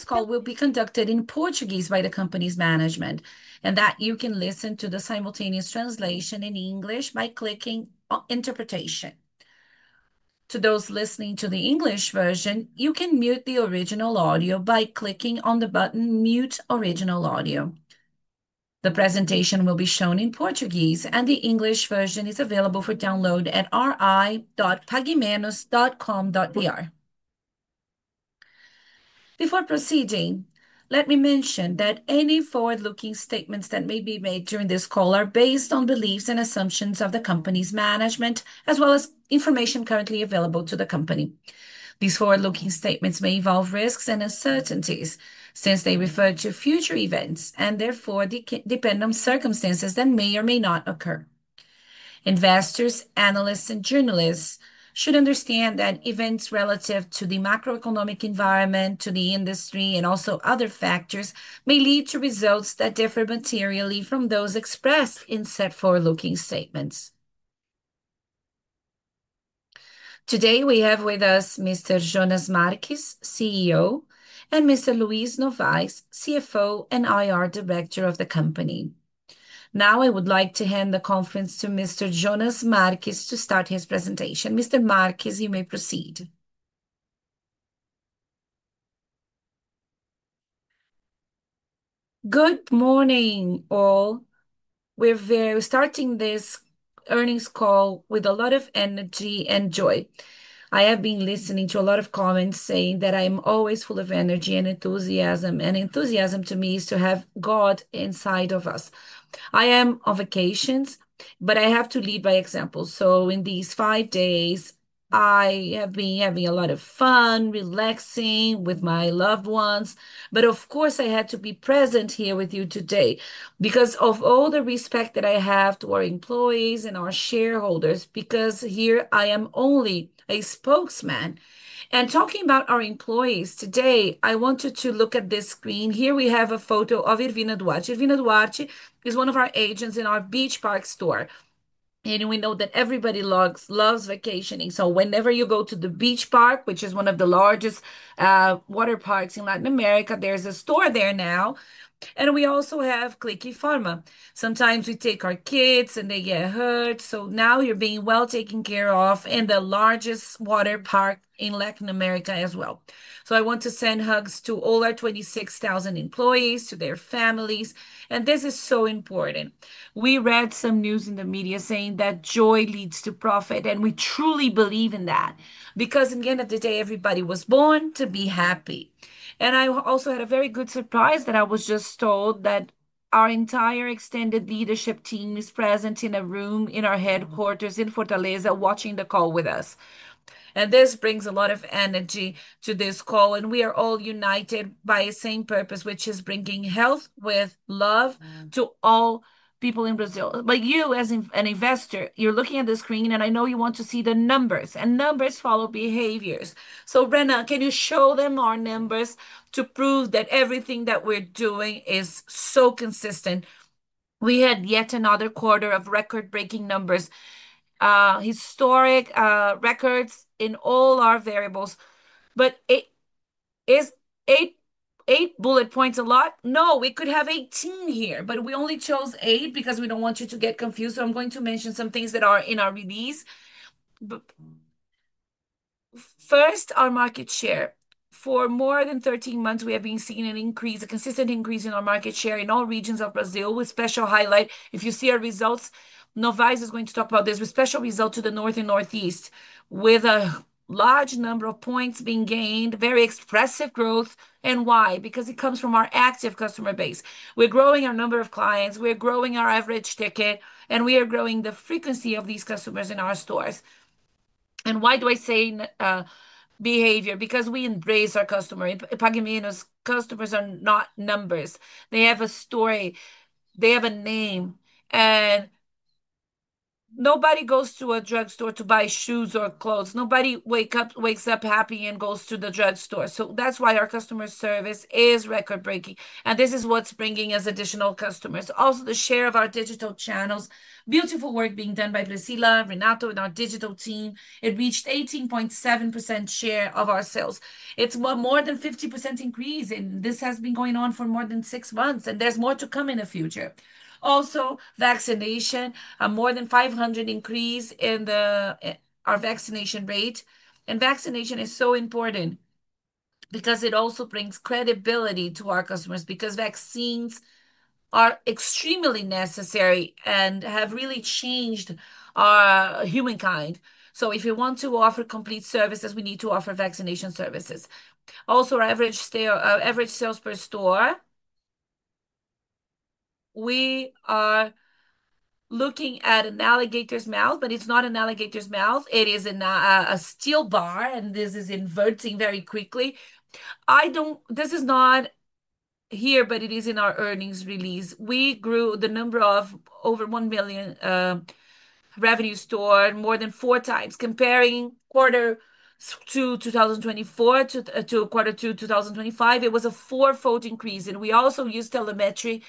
This call will be conducted in Portuguese by the company's management, and you can listen to the simultaneous translation in English by clicking on Interpretation. To those listening to the English version, you can mute the original audio by clicking on the button Mute Original Audio. The presentation will be shown in Portuguese, and the English version is available for download at ri.paguemenos.com.br. Before proceeding, let me mention that any forward-looking statements that may be made during this call are based on beliefs and assumptions of the company's management, as well as information currently available to the company. These forward-looking statements may involve risks and uncertainties since they refer to future events and therefore depend on circumstances that may or may not occur. Investors, analysts, and journalists should understand that events relative to the macroeconomic environment, to the industry, and also other factors may lead to results that differ materially from those expressed in said forward-looking statements. Today, we have with us Mr. Jonas Marques, CEO, and Mr. Luis Novais, CFO and IR Director of the company. Now, I would like to hand the conference to Mr. Jonas Marques to start his presentation. Mr. Marques, you may proceed. Good morning, all. We're starting this earnings call with a lot of energy and joy. I have been listening to a lot of comments saying that I am always full of energy and enthusiasm, and enthusiasm to me is to have God inside of us. I am on vacation, but I have to lead by example. In these five days, I have been having a lot of fun, relaxing with my loved ones, but of course, I had to be present here with you today because of all the respect that I have to our employees and our shareholders, because here I am only a spokesman. Talking about our employees today, I want you to look at this screen. Here we have a photo of Edvin Eduardo. Edvin Eduardo is one of our agents in our Beach Park store, and we know that everybody loves vacationing. Whenever you go to the Beach Park, which is one of the largest water parks in Latin America, there's a store there now. We also have Clinic Farma. Sometimes we take our kids and they get hurt. Now you're being well taken care of in the largest water park in Latin America as well. I want to send hugs to all our 26,000 employees, to their families, and this is so important. We read some news in the media saying that joy leads to profit, and we truly believe in that because at the end of the day, everybody was born to be happy. I also had a very good surprise that I was just told that our entire extended leadership team is present in a room in our headquarters in Fortaleza watching the call with us. This brings a lot of energy to this call, and we are all united by the same purpose, which is bringing health with love to all people in Brazil. You, as an investor, you're looking at the screen, and I know you want to see the numbers, and numbers follow behaviors. Rena, can you show them our numbers to prove that everything that we're doing is so consistent? We had yet another quarter of record-breaking numbers, historic, records in all our variables. Is eight bullet points a lot? No, we could have 18 here, but we only chose eight because we don't want you to get confused. I'm going to mention some things that are in our release. First, our market share. For more than 13 months, we have been seeing an increase, a consistent increase in our market share in all regions of Brazil, with special highlight. If you see our results, Novais is going to talk about this, with special results to the North and Northeast, with a large number of points being gained, very expressive growth. Why? Because it comes from our active customer base. We're growing our number of clients, we're growing our average ticket, and we are growing the frequency of these customers in our stores. I say behavior because we embrace our customers. Pague Menos customers are not numbers. They have a story. They have a name. Nobody goes to a drugstore to buy shoes or clothes. Nobody wakes up happy and goes to the drugstore. That's why our customer service is record-breaking, and this is what's bringing us additional customers. Also, the share of our digital channels, beautiful work being done by Priscila and Renato in our digital team, it reached 18.7% share of our sales. It's more than a 50% increase, and this has been going on for more than six months, and there's more to come in the future. Vaccination, a more than 500% increase in our vaccination rate. Vaccination is so important because it also brings credibility to our customers because vaccines are extremely necessary and have really changed our humankind. If you want to offer complete services, we need to offer vaccination services. Our average sales per store. We are looking at an alligator's mouth, but it's not an alligator's mouth. It is a steel bar, and this is inverting very quickly. This is not here, but it is in our earnings release. We grew the number of over 1 million revenue stores more than fourx. Comparing quarter two 2024 to quarter two 2025, it was a four-fold increase. We also use telemetry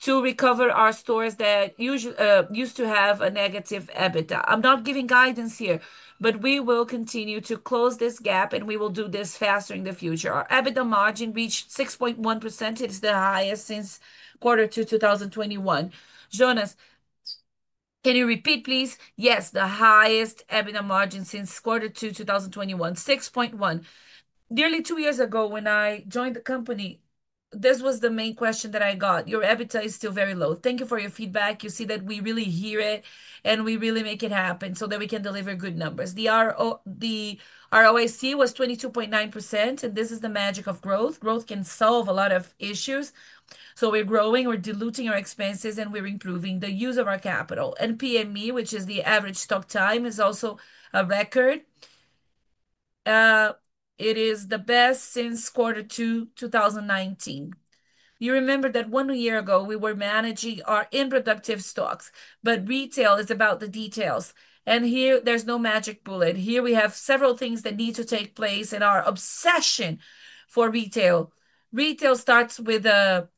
to recover our stores that used to have a negative EBITDA. I'm not giving guidance here, but we will continue to close this gap, and we will do this faster in the future. Our EBITDA margin reached 6.1%. It is the highest since quarter two 2021. Jonas, can you repeat, please? Yes, the highest EBITDA margin since quarter two 2021, 6.1%. Nearly two years ago, when I joined the company, this was the main question that I got. Your EBITDA is still very low. Thank you for your feedback. You see that we really hear it, and we really make it happen so that we can deliver good numbers. The ROIC was 22.9%, and this is the magic of growth. Growth can solve a lot of issues. We're growing, we're diluting our expenses, and we're improving the use of our capital. PME, which is the average stock time, is also a record. It is the best since quarter two 2019. You remember that one year ago, we were managing our unproductive stocks, but retail is about the details. Here, there's no magic bullet. Here, we have several things that need to take place in our obsession for retail. Retail starts with a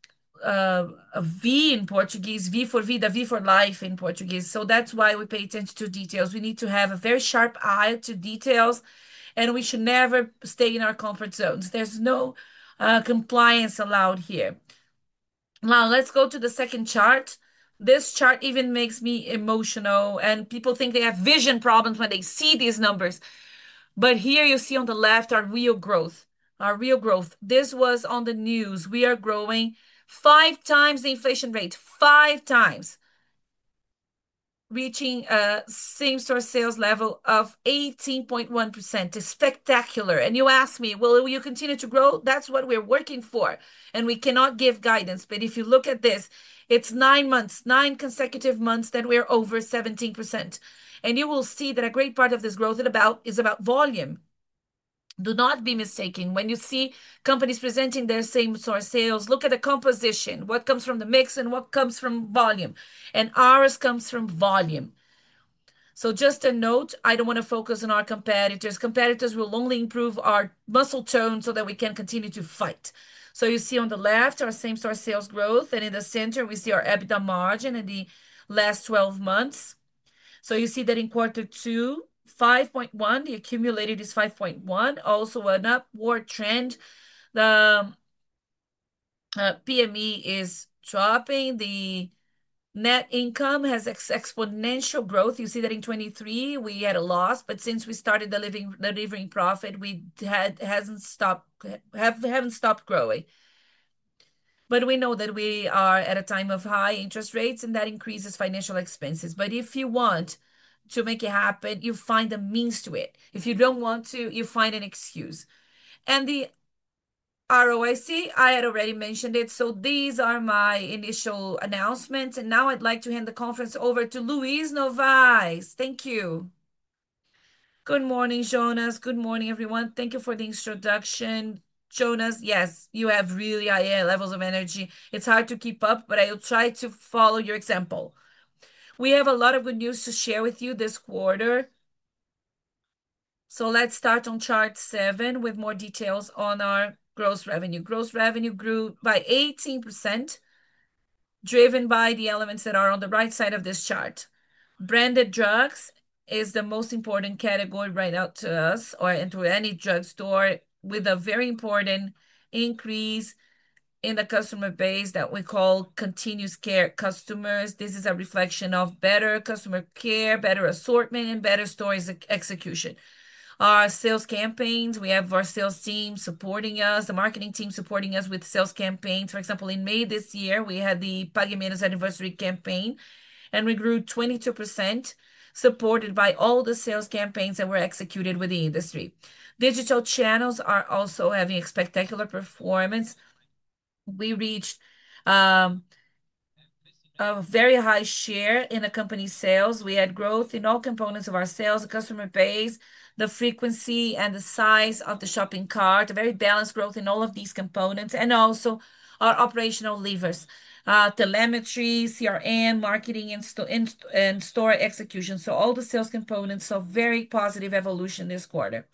V in Portuguese, V for vida, V for life in Portuguese. That's why we pay attention to details. We need to have a very sharp eye to details, and we should never stay in our comfort zones. There's no compliance allowed here. Now, let's go to the second chart. This chart even makes me emotional, and people think they have vision problems when they see these numbers. Here, you see on the left our real growth. Our real growth. This was on the news. We are growing fivex the inflation rate, fivex, reaching a same-store sales level of 18.1%. It's spectacular. You ask me, will you continue to grow? That's what we're working for, and we cannot give guidance. If you look at this, it's nine months, nine consecutive months that we're over 17%. You will see that a great part of this growth is about volume. Do not be mistaken. When you see companies presenting their same-store sales, look at the composition. What comes from the mix and what comes from volume? Ours comes from volume. Just a note, I don't want to focus on our competitors. Competitors will only improve our muscle tone so that we can continue to fight. You see on the left our same-store sales growth, and in the center, we see our EBITDA margin in the last 12 months. You see that in quarter two, 5.1%, the accumulated is 5.1%. Also, an upward trend. The PME is dropping. The net income has exponential growth. You see that in 2023, we had a loss, but since we started delivering profit, we haven't stopped growing. We know that we are at a time of high interest rates, and that increases financial expenses. If you want to make it happen, you find the means to it. If you don't want to, you find an excuse. The ROIC, I had already mentioned it. These are my initial announcements, and now I'd like to hand the conference over to Luis Novais. Thank you. Good morning, Jonas. Good morning, everyone. Thank you for the introduction. Jonas, yes, you have really high levels of energy. It's hard to keep up, but I will try to follow your example. We have a lot of good news to share with you this quarter. Let's start on chart seven with more details on our gross revenue. Gross revenue grew by 18%, driven by the elements that are on the right side of this chart. Branded drugs is the most important category right now to us and to any drugstore, with a very important increase in the customer base that we call continuous care customers. This is a reflection of better customer care, better assortment, and better store execution. Our sales campaigns, we have our sales team supporting us, the marketing team supporting us with sales campaigns. For example, in May this year, we had the Pague Menos anniversary campaign, and we grew 22%, supported by all the sales campaigns that were executed with the industry. Digital channels are also having a spectacular performance. We reached a very high share in the company sales. We had growth in all components of our sales, the customer base, the frequency, and the size of the shopping cart. A very balanced growth in all of these components, and also our operational levers, telemetry, CRM, marketing, and store execution. All the sales components, very positive evolution this quarter.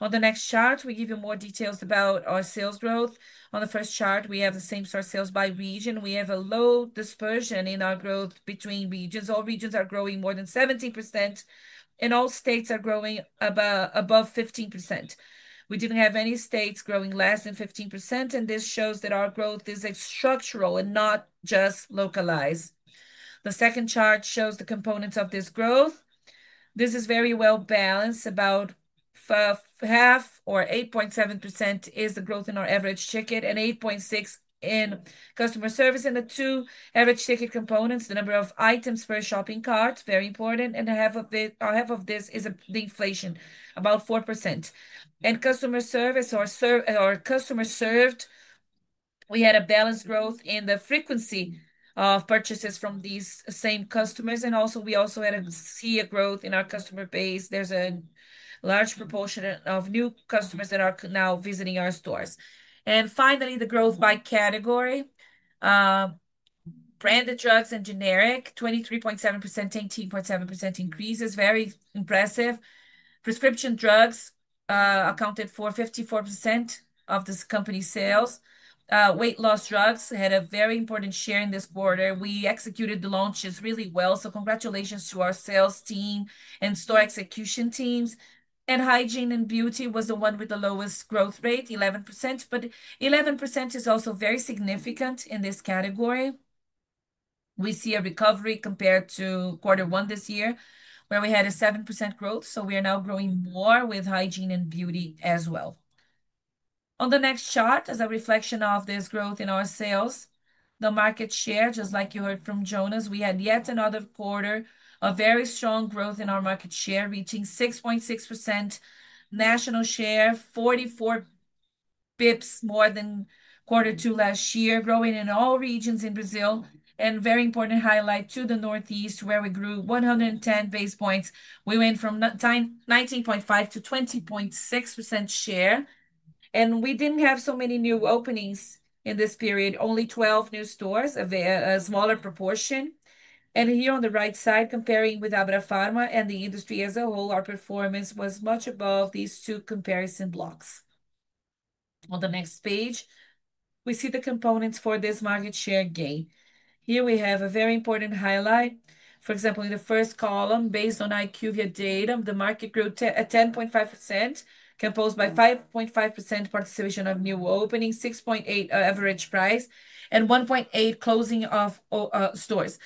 On the next chart, we give you more details about our sales growth. On the first chart, we have the same-store sales by region. We have a low dispersion in our growth between regions. All regions are growing more than 17%, and all states are growing above 15%. We didn't have any states growing less than 15%, and this shows that our growth is structural and not just localized. The second chart shows the components of this growth. This is very well balanced. About half or 8.7% is the growth in our average ticket and 8.6% in customer service. The two average ticket components, the number of items per shopping cart, very important, and half of this is the inflation, about 4%. Customer service, or customer served, we had a balanced growth in the frequency of purchases from these same customers, and we also had a sea of growth in our customer base. There's a large proportion of new customers that are now visiting our stores. Finally, the growth by category. Branded drugs and generic, 23.7%, 18.7% increase, is very impressive. Prescription drugs accounted for 54% of this company's sales. Weight loss drugs had a very important share in this quarter. We executed the launches really well, congratulations to our sales team and store execution teams. Hygiene and beauty was the one with the lowest growth rate, 11%, but 11% is also very significant in this category. We see a recovery compared to quarter one this year, where we had a 7% growth, so we are now growing more with hygiene and beauty as well. On the next chart, as a reflection of this growth in our sales, the market share, just like you heard from Jonas, we had yet another quarter of very strong growth in our market share, reaching 6.6% national share, 44 bps more than quarter two last year, growing in all regions in Brazil, and very important highlight to the Northeast, where we grew 110 basis points. We went from 19.5% to 20.6% share, and we didn't have so many new openings in this period, only 12 new stores, a smaller proportion. Here on the right side, comparing with Abrafarma and the industry as a whole, our performance was much above these two comparison blocks. On the next page, we see the components for this market share gain. Here we have a very important highlight. For example, in the first column, based on IQVIA data, the market grew 10.5%, composed by 5.5% participation of new openings, 6.8% average price, and 1.8% closing of stores.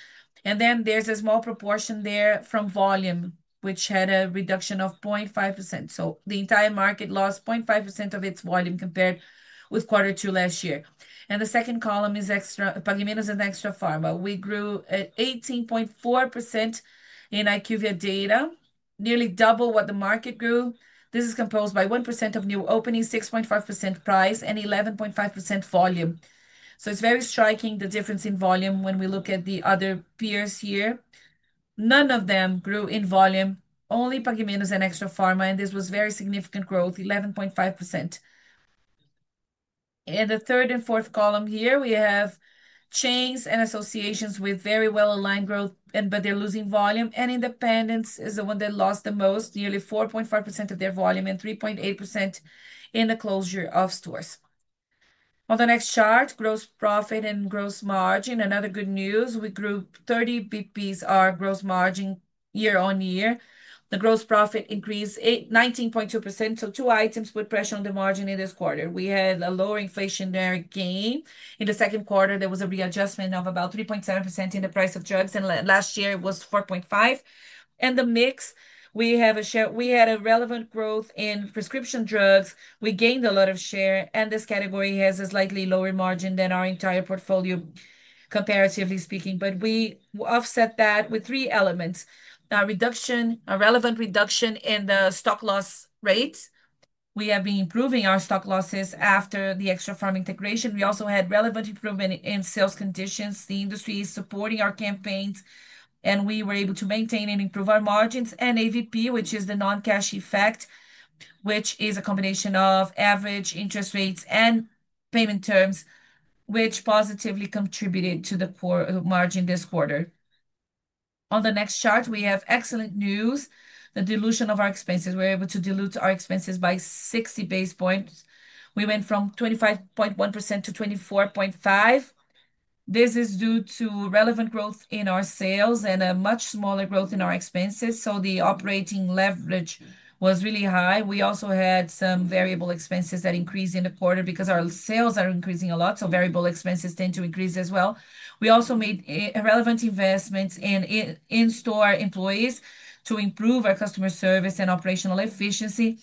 There is a small proportion there from volume, which had a reduction of 0.5%. The entire market lost 0.5% of its volume compared with quarter two last year. The second column is Pague Menos and Extrafarma. We grew at 18.4% in IQVIA data, nearly double what the market grew. This is composed by 1% of new openings, 6.5% price, and 11.5% volume. It's very striking the difference in volume when we look at the other peers here. None of them grew in volume, only Pague Menos and Extrafarma, and this was very significant growth, 11.5%. In the third and fourth column here, we have chains and associations with very well-aligned growth, but they're losing volume, and independents is the one that lost the most, nearly 4.5% of their volume and 3.8% in the closure of stores. On the next chart, gross profit and gross margin, another good news. We grew 30 bps our gross margin year-on-year. The gross profit increased 19.2%, so two items put pressure on the margin in this quarter. We had a lower inflationary gain in the second quarter. There was a readjustment of about 3.7% in the price of drugs, and last year it was 4.5%. The mix, we had a relevant growth in prescription drugs. We gained a lot of share, and this category has a slightly lower margin than our entire portfolio, comparatively speaking, but we offset that with three elements: a relevant reduction in the stock loss rates. We have been improving our stock losses after the Extrafarma integration. We also had relevant improvement in sales conditions. The industry is supporting our campaigns, and we were able to maintain and improve our margins, and AVP, which is the non-cash effect, which is a combination of average interest rates and payment terms, which positively contributed to the poor margin this quarter. On the next chart, we have excellent news, the dilution of our expenses. We were able to dilute our expenses by 60 basis points. We went from 25.1% to 24.5%. This is due to relevant growth in our sales and a much smaller growth in our expenses, so the operating leverage was really high. We also had some variable expenses that increased in the quarter because our sales are increasing a lot, so variable expenses tend to increase as well. We also made relevant investments in in-store employees to improve our customer service and operational efficiency.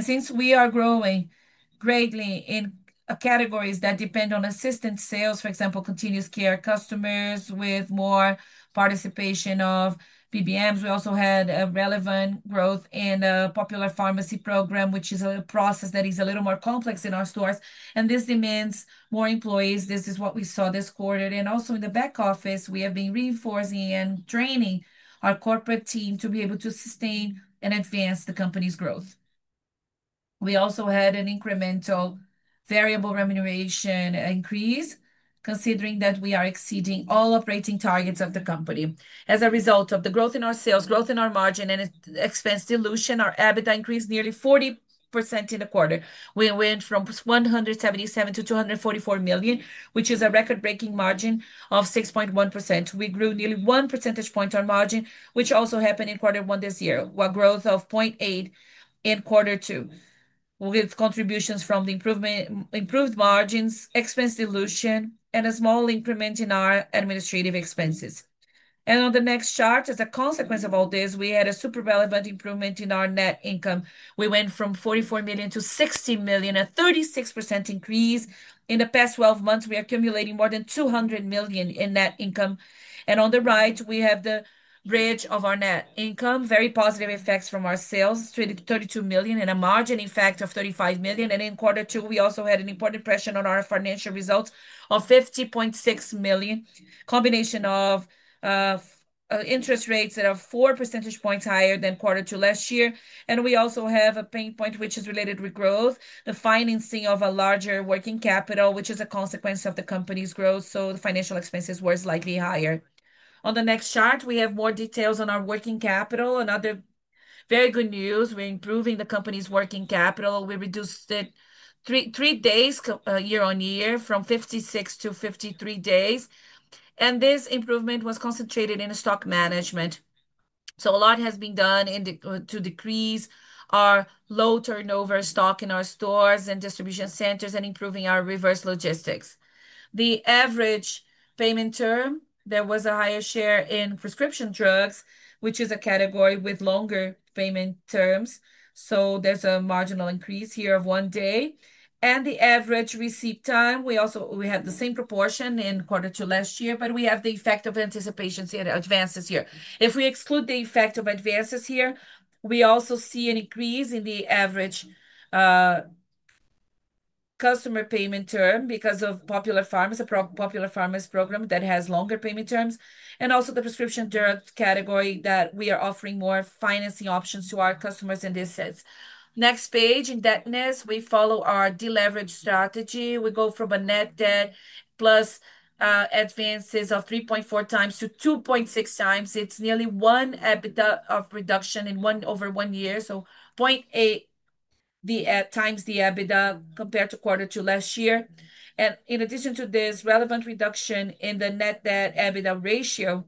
Since we are growing greatly in categories that depend on assistant sales, for example, chronic care customers with more participation of PBMs, we also had a relevant growth in a popular pharmacy program, which is a process that is a little more complex in our stores. This demands more employees. This is what we saw this quarter. Also in the back office, we have been reinforcing and training our corporate team to be able to sustain and advance the company's growth. We also had an incremental variable remuneration increase, considering that we are exceeding all operating targets of the company. As a result of the growth in our sales, growth in our margin, and expense dilution, our EBITDA increased nearly 40% in the quarter. We went from 177 million to 244 million, which is a record-breaking margin of 6.1%. We grew nearly one percentage point on margin, which also happened in quarter one this year, a growth of 0.8% in quarter two, with contributions from the improved margins, expense dilution, and a small increment in our administrative expenses. On the next chart, as a consequence of all this, we had a super relevant improvement in our net income. We went from 44 million to 60 million, a 36% increase. In the past 12 months, we are accumulating more than 200 million in net income. On the right, we have the bridge of our net income, very positive effects from our sales, 32 million, and a margin effect of 35 million. In quarter two, we also had an important pressure on our financial results of 50.6 million, a combination of interest rates that are 4 percentage points higher than quarter two last year. We also have a pain point, which is related to growth, the financing of a larger working capital, which is a consequence of the company's growth, so the financial expenses were slightly higher. On the next chart, we have more details on our working capital, another very good news. We're improving the company's working capital. We reduced it 3 days year-on-year from 56 to 53 days. This improvement was concentrated in stock management. A lot has been done to decrease our low turnover stock in our stores and distribution centers and improving our reverse logistics. The average payment term, there was a higher share in prescription drugs, which is a category with longer payment terms. There's a marginal increase here of 1 day. The average receipt time, we also have the same proportion in quarter two last year, but we have the effect of anticipation advances here. If we exclude the effect of advances here, we also see an increase in the average customer payment term because of Popular Pharma, a Popular Pharma program that has longer payment terms, and also the prescription drug category that we are offering more financing options to our customers in this sense. Next page, in debtness, we follow our deleverage strategy. We go from a net debt plus advances of 3.4x-2.6x. It's nearly one EBITDA of reduction in one over one year, so 0.8x the EBITDA compared to quarter two last year. In addition to this relevant reduction in the net debt EBITDA ratio,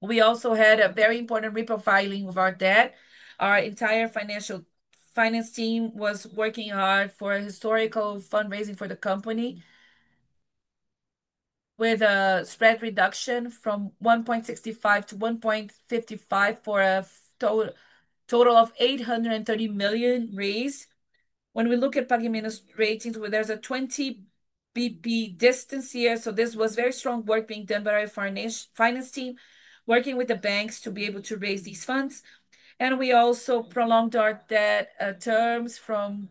we also had a very important reprofiling of our debt. Our entire finance team was working hard for historical fundraising for the company, with a spread reduction from 1.65x-1.55x for a total of 830 million raised. When we look at Pague Menos ratings, there's a 20 bps distance here, so this was very strong work being done by our finance team, working with the banks to be able to raise these funds. We also prolonged our debt terms from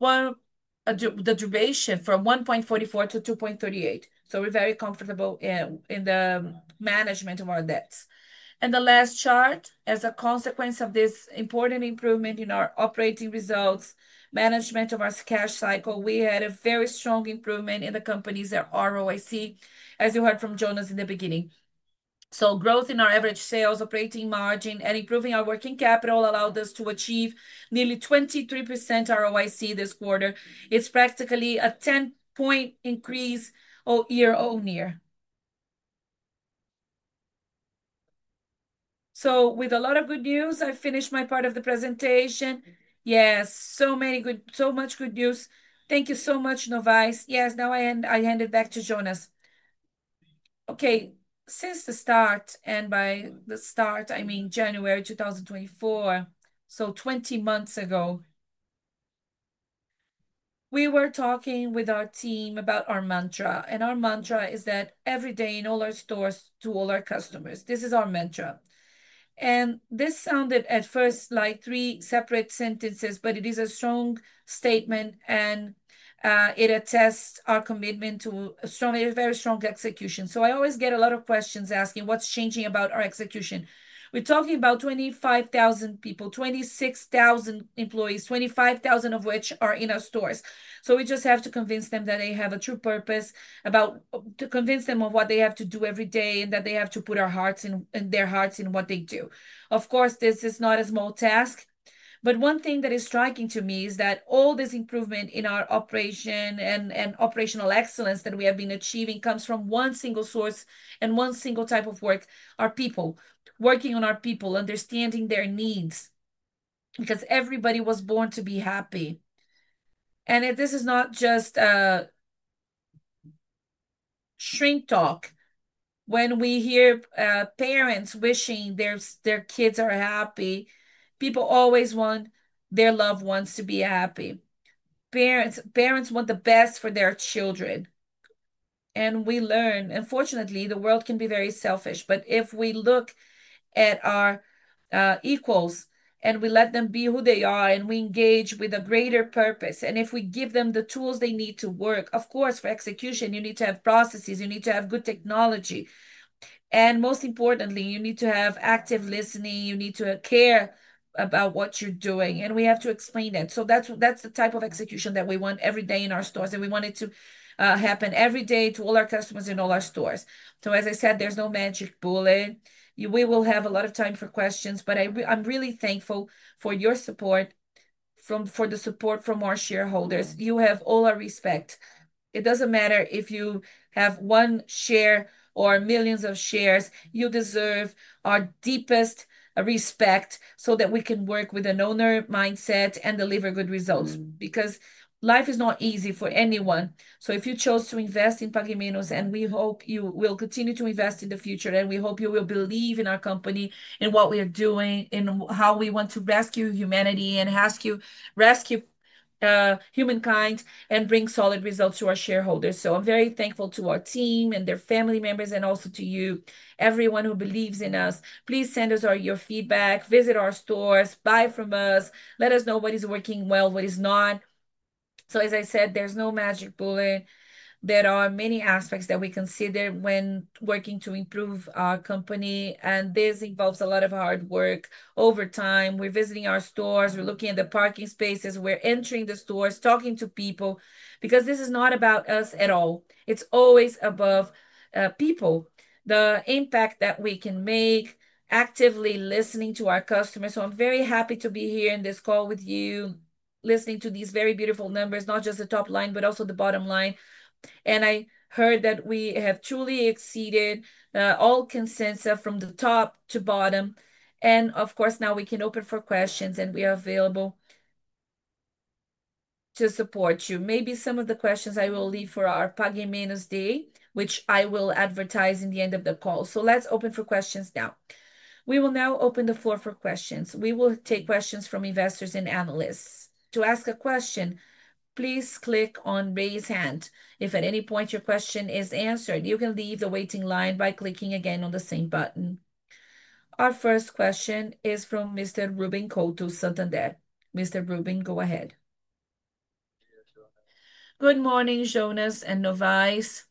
the duration from 1.44x to 2.38x. We're very comfortable in the management of our debts. The last chart, as a consequence of this important improvement in our operating results, management of our cash cycle, we had a very strong improvement in the company's ROIC, as you heard from Jonas in the beginning. Growth in our average sales, operating margin, and improving our working capital allowed us to achieve nearly 23% ROIC this quarter. It's practically a 10-point increase year-on-year. With a lot of good news, I finished my part of the presentation. Yes, so much good news. Thank you so much, Novais. Yes, now I hand it back to Jonas. Since the start, and by the start, I mean January 2024, so 20 months ago, we were talking with our team about our mantra, and our mantra is that every day in all our stores to all our customers. This is our mantra. This sounded at first like three separate sentences, but it is a strong statement, and it attests our commitment to a very strong execution. I always get a lot of questions asking, what's changing about our execution? We're talking about 25,000 people, 26,000 employees, 25,000 of which are in our stores. We just have to convince them that they have a true purpose, to convince them of what they have to do every day and that they have to put our hearts and their hearts in what they do. Of course, this is not a small task, but one thing that is striking to me is that all this improvement in our operation and operational excellence that we have been achieving comes from one single source and one single type of work: our people. Working on our people, understanding their needs, because everybody was born to be happy. This is not just a shrink talk. When we hear parents wishing their kids are happy, people always want their loved ones to be happy. Parents want the best for their children. We learn, unfortunately, the world can be very selfish, but if we look at our equals and we let them be who they are and we engage with a greater purpose, and if we give them the tools they need to work, of course, for execution, you need to have processes, you need to have good technology, and most importantly, you need to have active listening, you need to care about what you're doing, and we have to explain that. That's the type of execution that we want every day in our stores, and we want it to happen every day to all our customers in all our stores. As I said, there's no magic bullet. We will have a lot of time for questions, but I'm really thankful for your support, for the support from our shareholders. You have all our respect. It doesn't matter if you have one share or millions of shares. You deserve our deepest respect so that we can work with an owner mindset and deliver good results, because life is not easy for anyone. If you chose to invest in Pague Menos, we hope you will continue to invest in the future, and we hope you will believe in our company and what we are doing and how we want to rescue humanity and rescue humankind and bring solid results to our shareholders. I'm very thankful to our team and their family members and also to you, everyone who believes in us. Please send us all your feedback, visit our stores, buy from us, let us know what is working well, what is not. There is no magic bullet. There are many aspects that we consider when working to improve our company, and this involves a lot of hard work. Over time, we're visiting our stores, we're looking at the parking spaces, we're entering the stores, talking to people, because this is not about us at all. It's always about people, the impact that we can make actively listening to our customers. I'm very happy to be here in this call with you, listening to these very beautiful numbers, not just the top line, but also the bottom line. I heard that we have truly exceeded all consensus from the top to bottom. Of course, now we can open for questions, and we are available to support you. Maybe some of the questions I will leave for our Pague Menos Day, which I will advertise in the end of the call. Let's open for questions now. We will now open the floor for questions. We will take questions from investors and analysts. To ask a question, please click on raise hand. If at any point your question is answered, you can leave the waiting line by clicking again on the same button. Our first question is from Mr. Ruben Couto Santander. Mr. Ruben, go ahead. Good morning, Jonas and Novais.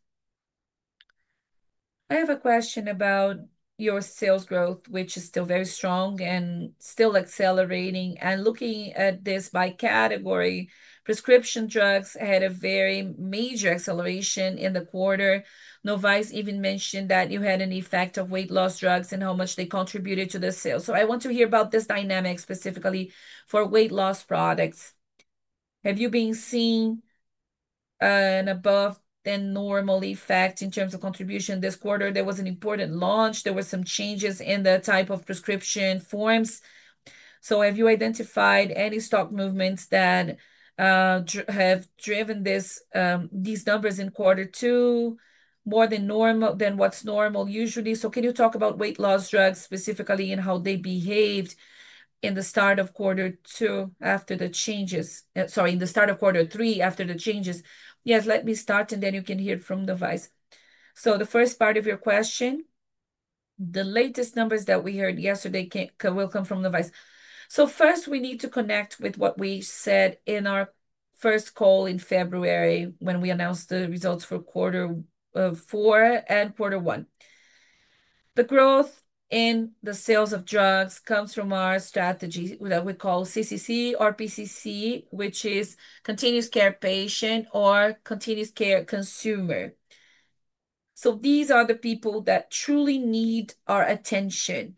I have a question about your sales growth, which is still very strong and still accelerating. Looking at this by category, prescription drugs had a very major acceleration in the quarter. Novais even mentioned that you had an effect of weight loss drugs and how much they contributed to the sales. I want to hear about this dynamic specifically for weight loss products. Have you been seeing an above-than-normal effect in terms of contribution this quarter? There was an important launch. There were some changes in the type of prescription forms. Have you identified any stock movements that have driven these numbers in quarter two more than what's normal usually? Can you talk about weight loss drugs specifically and how they behaved in the start of quarter two after the changes? Sorry, in the start of quarter three after the changes. Yes, let me start and then you can hear from Novais. The first part of your question, the latest numbers that we heard yesterday will come from Novais. First, we need to connect with what we said in our first call in February when we announced the results for quarter four and quarter one. The growth in the sales of drugs comes from our strategy that we call CCC or PCC, which is Continuous Care Patient or Continuous Care Consumer. These are the people that truly need our attention.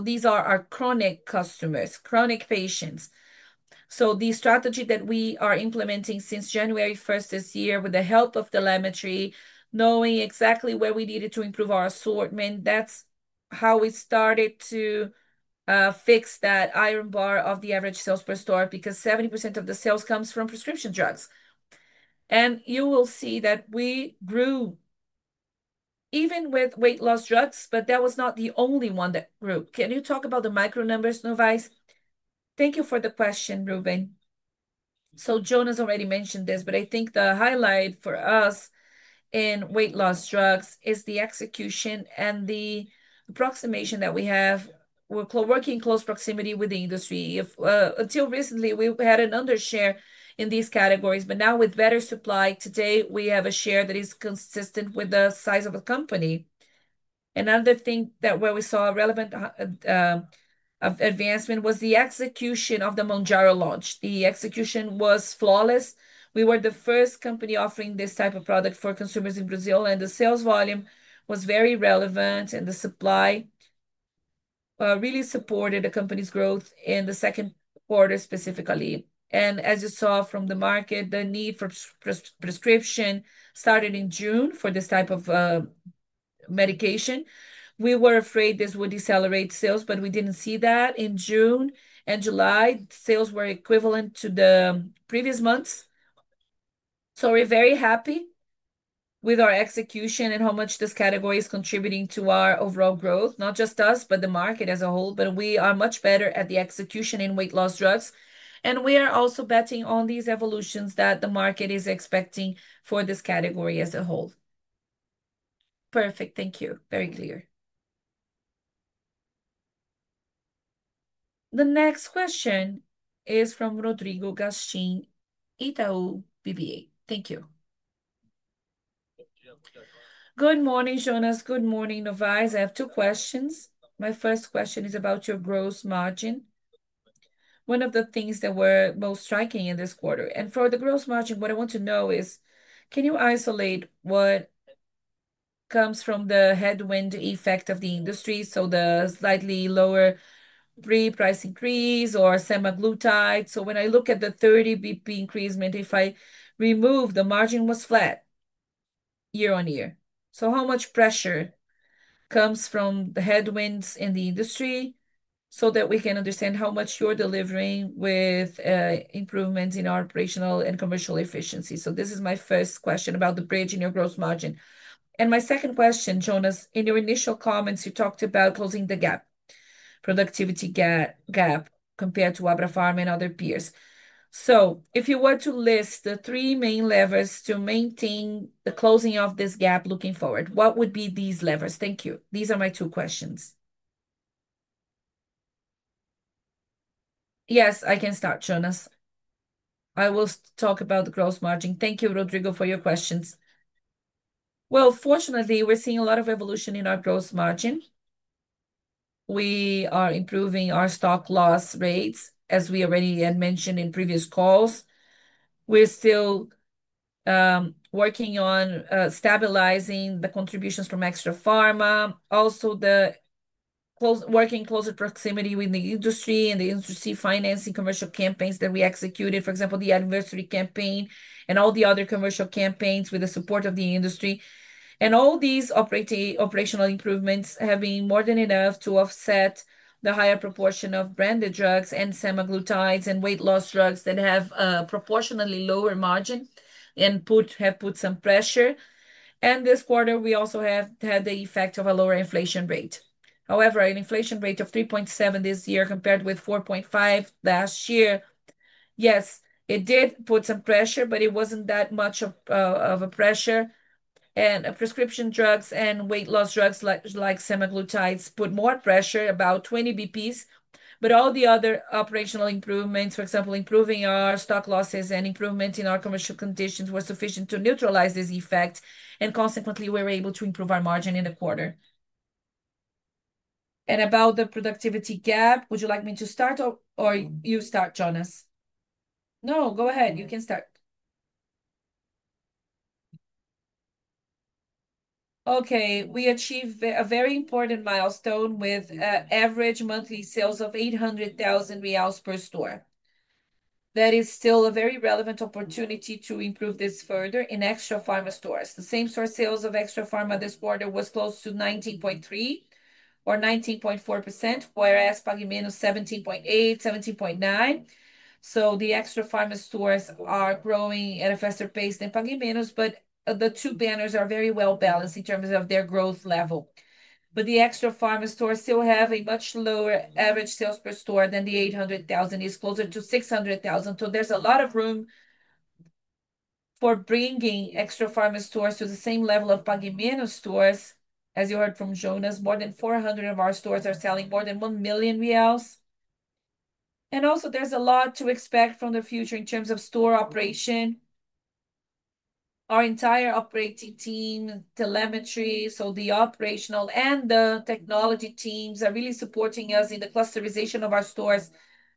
These are our chronic customers, chronic patients. The strategy that we are implementing since January 1st, 2024, with the help of telemetry, knowing exactly where we needed to improve our assortment, that's how we started to fix that iron bar of the average sales per store because 70% of the sales comes from prescription drugs. You will see that we grew even with weight loss drugs, but that was not the only one that grew. Can you talk about the micro numbers, Novais? Thank you for the question, Ruben. Jonas already mentioned this, but I think the highlight for us in weight loss drugs is the execution and the approximation that we have with working in close proximity with the industry. Until recently, we had an undershare in these categories, but now with better supply, today we have a share that is consistent with the size of the company. Another thing where we saw a relevant advancement was the execution of the Mounjaro launch. The execution was flawless. We were the first company offering this type of product for consumers in Brazil, and the sales volume was very relevant, and the supply really supported the company's growth in the second quarter specifically. As you saw from the market, the need for prescription started in June for this type of medication. We were afraid this would decelerate sales, but we didn't see that. In June and July, sales were equivalent to the previous months. We're very happy with our execution and how much this category is contributing to our overall growth, not just us, but the market as a whole. We are much better at the execution in weight loss drugs, and we are also betting on these evolutions that the market is expecting for this category as a whole. Perfect. Thank you. Very clear. The next question is from Rodrigo Gastim Itaú BBA. Thank you. Good morning, Jonas. Good morning, Novais. I have two questions. My first question is about your gross margin, one of the things that were most striking in this quarter. For the gross margin, what I want to know is, can you isolate what comes from the headwind effect of the industry? The slightly lower pre-price increase or semaglutide. When I look at the 30 bps increase, if I remove the margin, it was flat year-on-year. How much pressure comes from the headwinds in the industry so that we can understand how much you're delivering with improvements in our operational and commercial efficiency? This is my first question about the bridge in your gross margin. My second question, Jonas, in your initial comments, you talked about closing the productivity gap compared to Abrafarma and other peers. If you were to list the three main levers to maintain the closing of this gap looking forward, what would be these levers? Thank you. These are my two questions. Yes, I can start, Jonas. I will talk about the gross margin. Thank you, Rodrigo, for your questions. Fortunately, we're seeing a lot of evolution in our gross margin. We are improving our stock loss rates, as we already mentioned in previous calls. We're still working on stabilizing the contributions from Extrafarma, also working in closer proximity with the industry and the industry financing commercial campaigns that we executed, for example, the anniversary campaign and all the other commercial campaigns with the support of the industry. All these operational improvements have been more than enough to offset the higher proportion of branded drugs and semaglutides and weight loss drugs that have a proportionately lower margin and have put some pressure. This quarter, we also have had the effect of a lower inflation rate. However, an inflation rate of 3.7% this year compared with 4.5% last year did put some pressure, but it wasn't that much of a pressure. Prescription drugs and weight loss drugs like semaglutides put more pressure, about 20 bps. All the other operational improvements, for example, improving our stock losses and improvement in our commercial conditions, were sufficient to neutralize this effect. Consequently, we were able to improve our margin in the quarter. About the productivity gap, would you like me to start or you start, Jonas? No, go ahead. You can start. We achieved a very important milestone with average monthly sales of 800,000 reais per store. That is still a very relevant opportunity to improve this further in Extrafarma stores. The same store sales of Extrafarma this quarter were close to 19.3% or 19.4%, whereas Pague Menos 17.8%, 17.9%. The Extrafarma stores are growing at a faster pace than Pague Menos, but the two banners are very well balanced in terms of their growth level. The Extrafarma stores still have a much lower average sales per store than the 800,000. It's closer to 600,000. There is a lot of room for bringing Extrafarma stores to the same level of Pague Menos stores. As you heard from Jonas, more than 400 of our stores are selling more than 1 million reais. There is a lot to expect from the future in terms of store operation. Our entire operating team, telemetry, so the operational and the technology teams are really supporting us in the clusterization of our stores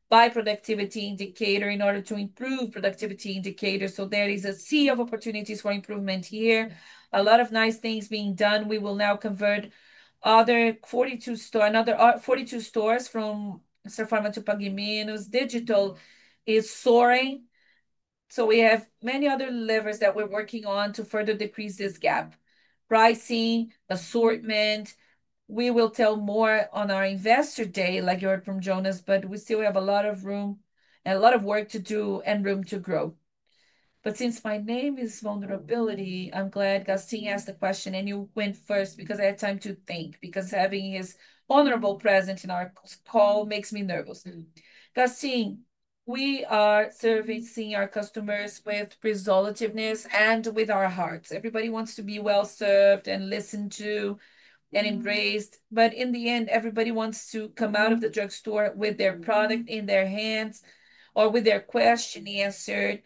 by productivity indicator in order to improve productivity indicators. There is a sea of opportunities for improvement here. A lot of nice things being done. We will now convert another 42 stores from Extrafarma to Pague Menos. Digital is soaring. We have many other levers that we're working on to further decrease this gap. Pricing, assortment, we will tell more on our investor day, like you heard from Jonas, but we still have a lot of room and a lot of work to do and room to grow. Since my name is vulnerability, I'm glad Gastim asked the question and you went first because I had time to think, because having his honorable presence in our call makes me nervous. Gastim, we are servicing our customers with resoluteness and with our hearts. Everybody wants to be well served and listened to and embraced. In the end, everybody wants to come out of the drugstore with their product in their hands or with their question answered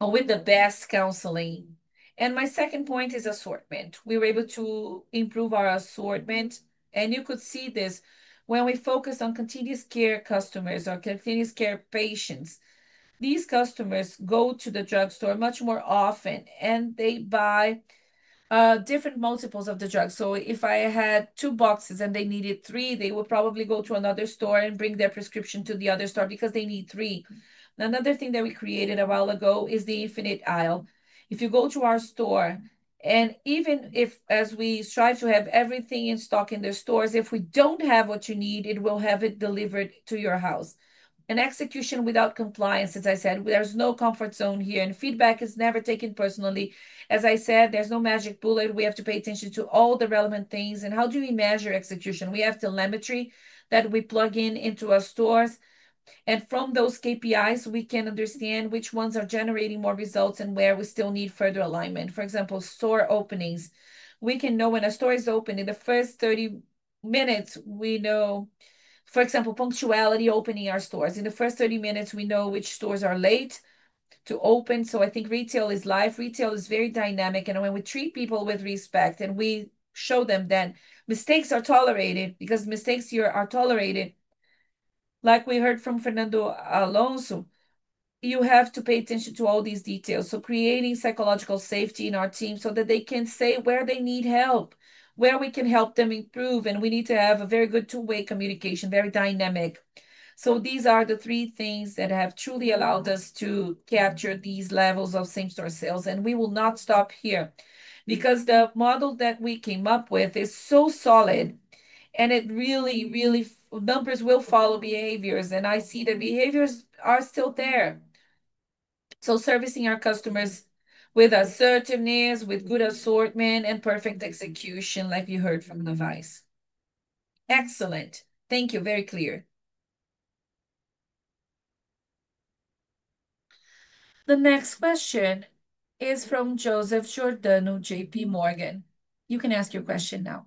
or with the best counseling. My second point is assortment. We were able to improve our assortment, and you could see this when we focus on continuous care customers or continuous care patients. These customers go to the drugstore much more often, and they buy different multiples of the drug. If I had two boxes and they needed three, they would probably go to another store and bring their prescription to the other store because they need three. Another thing that we created a while ago is the infinite aisle. If you go to our store, and even if, as we strive to have everything in stock in the stores, if we don't have what you need, it will have it delivered to your house. Execution without compliance, as I said, there's no comfort zone here, and feedback is never taken personally. As I said, there's no magic bullet. We have to pay attention to all the relevant things. How do we measure execution? We have telemetry that we plug in into our stores, and from those KPIs, we can understand which ones are generating more results and where we still need further alignment. For example, store openings. We can know when a store is open in the first 30 minutes. We know, for example, punctuality opening our stores. In the first 30 minutes, we know which stores are late to open. I think retail is life. Retail is very dynamic, and when we treat people with respect and we show them that mistakes are tolerated because mistakes here are tolerated, like we heard from Fernando Alonso, you have to pay attention to all these details. Creating psychological safety in our team so that they can say where they need help, where we can help them improve, and we need to have a very good two-way communication, very dynamic. These are the three things that have truly allowed us to capture these levels of same-store sales, and we will not stop here because the model that we came up with is so solid, and it really, really numbers will follow behaviors, and I see the behaviors are still there. Servicing our customers with assertiveness, with good assortment, and perfect execution, like you heard from Novais. Excellent. Thank you. Very clear. The next question is from Joseph Giordano JPMorgan. You can ask your question now.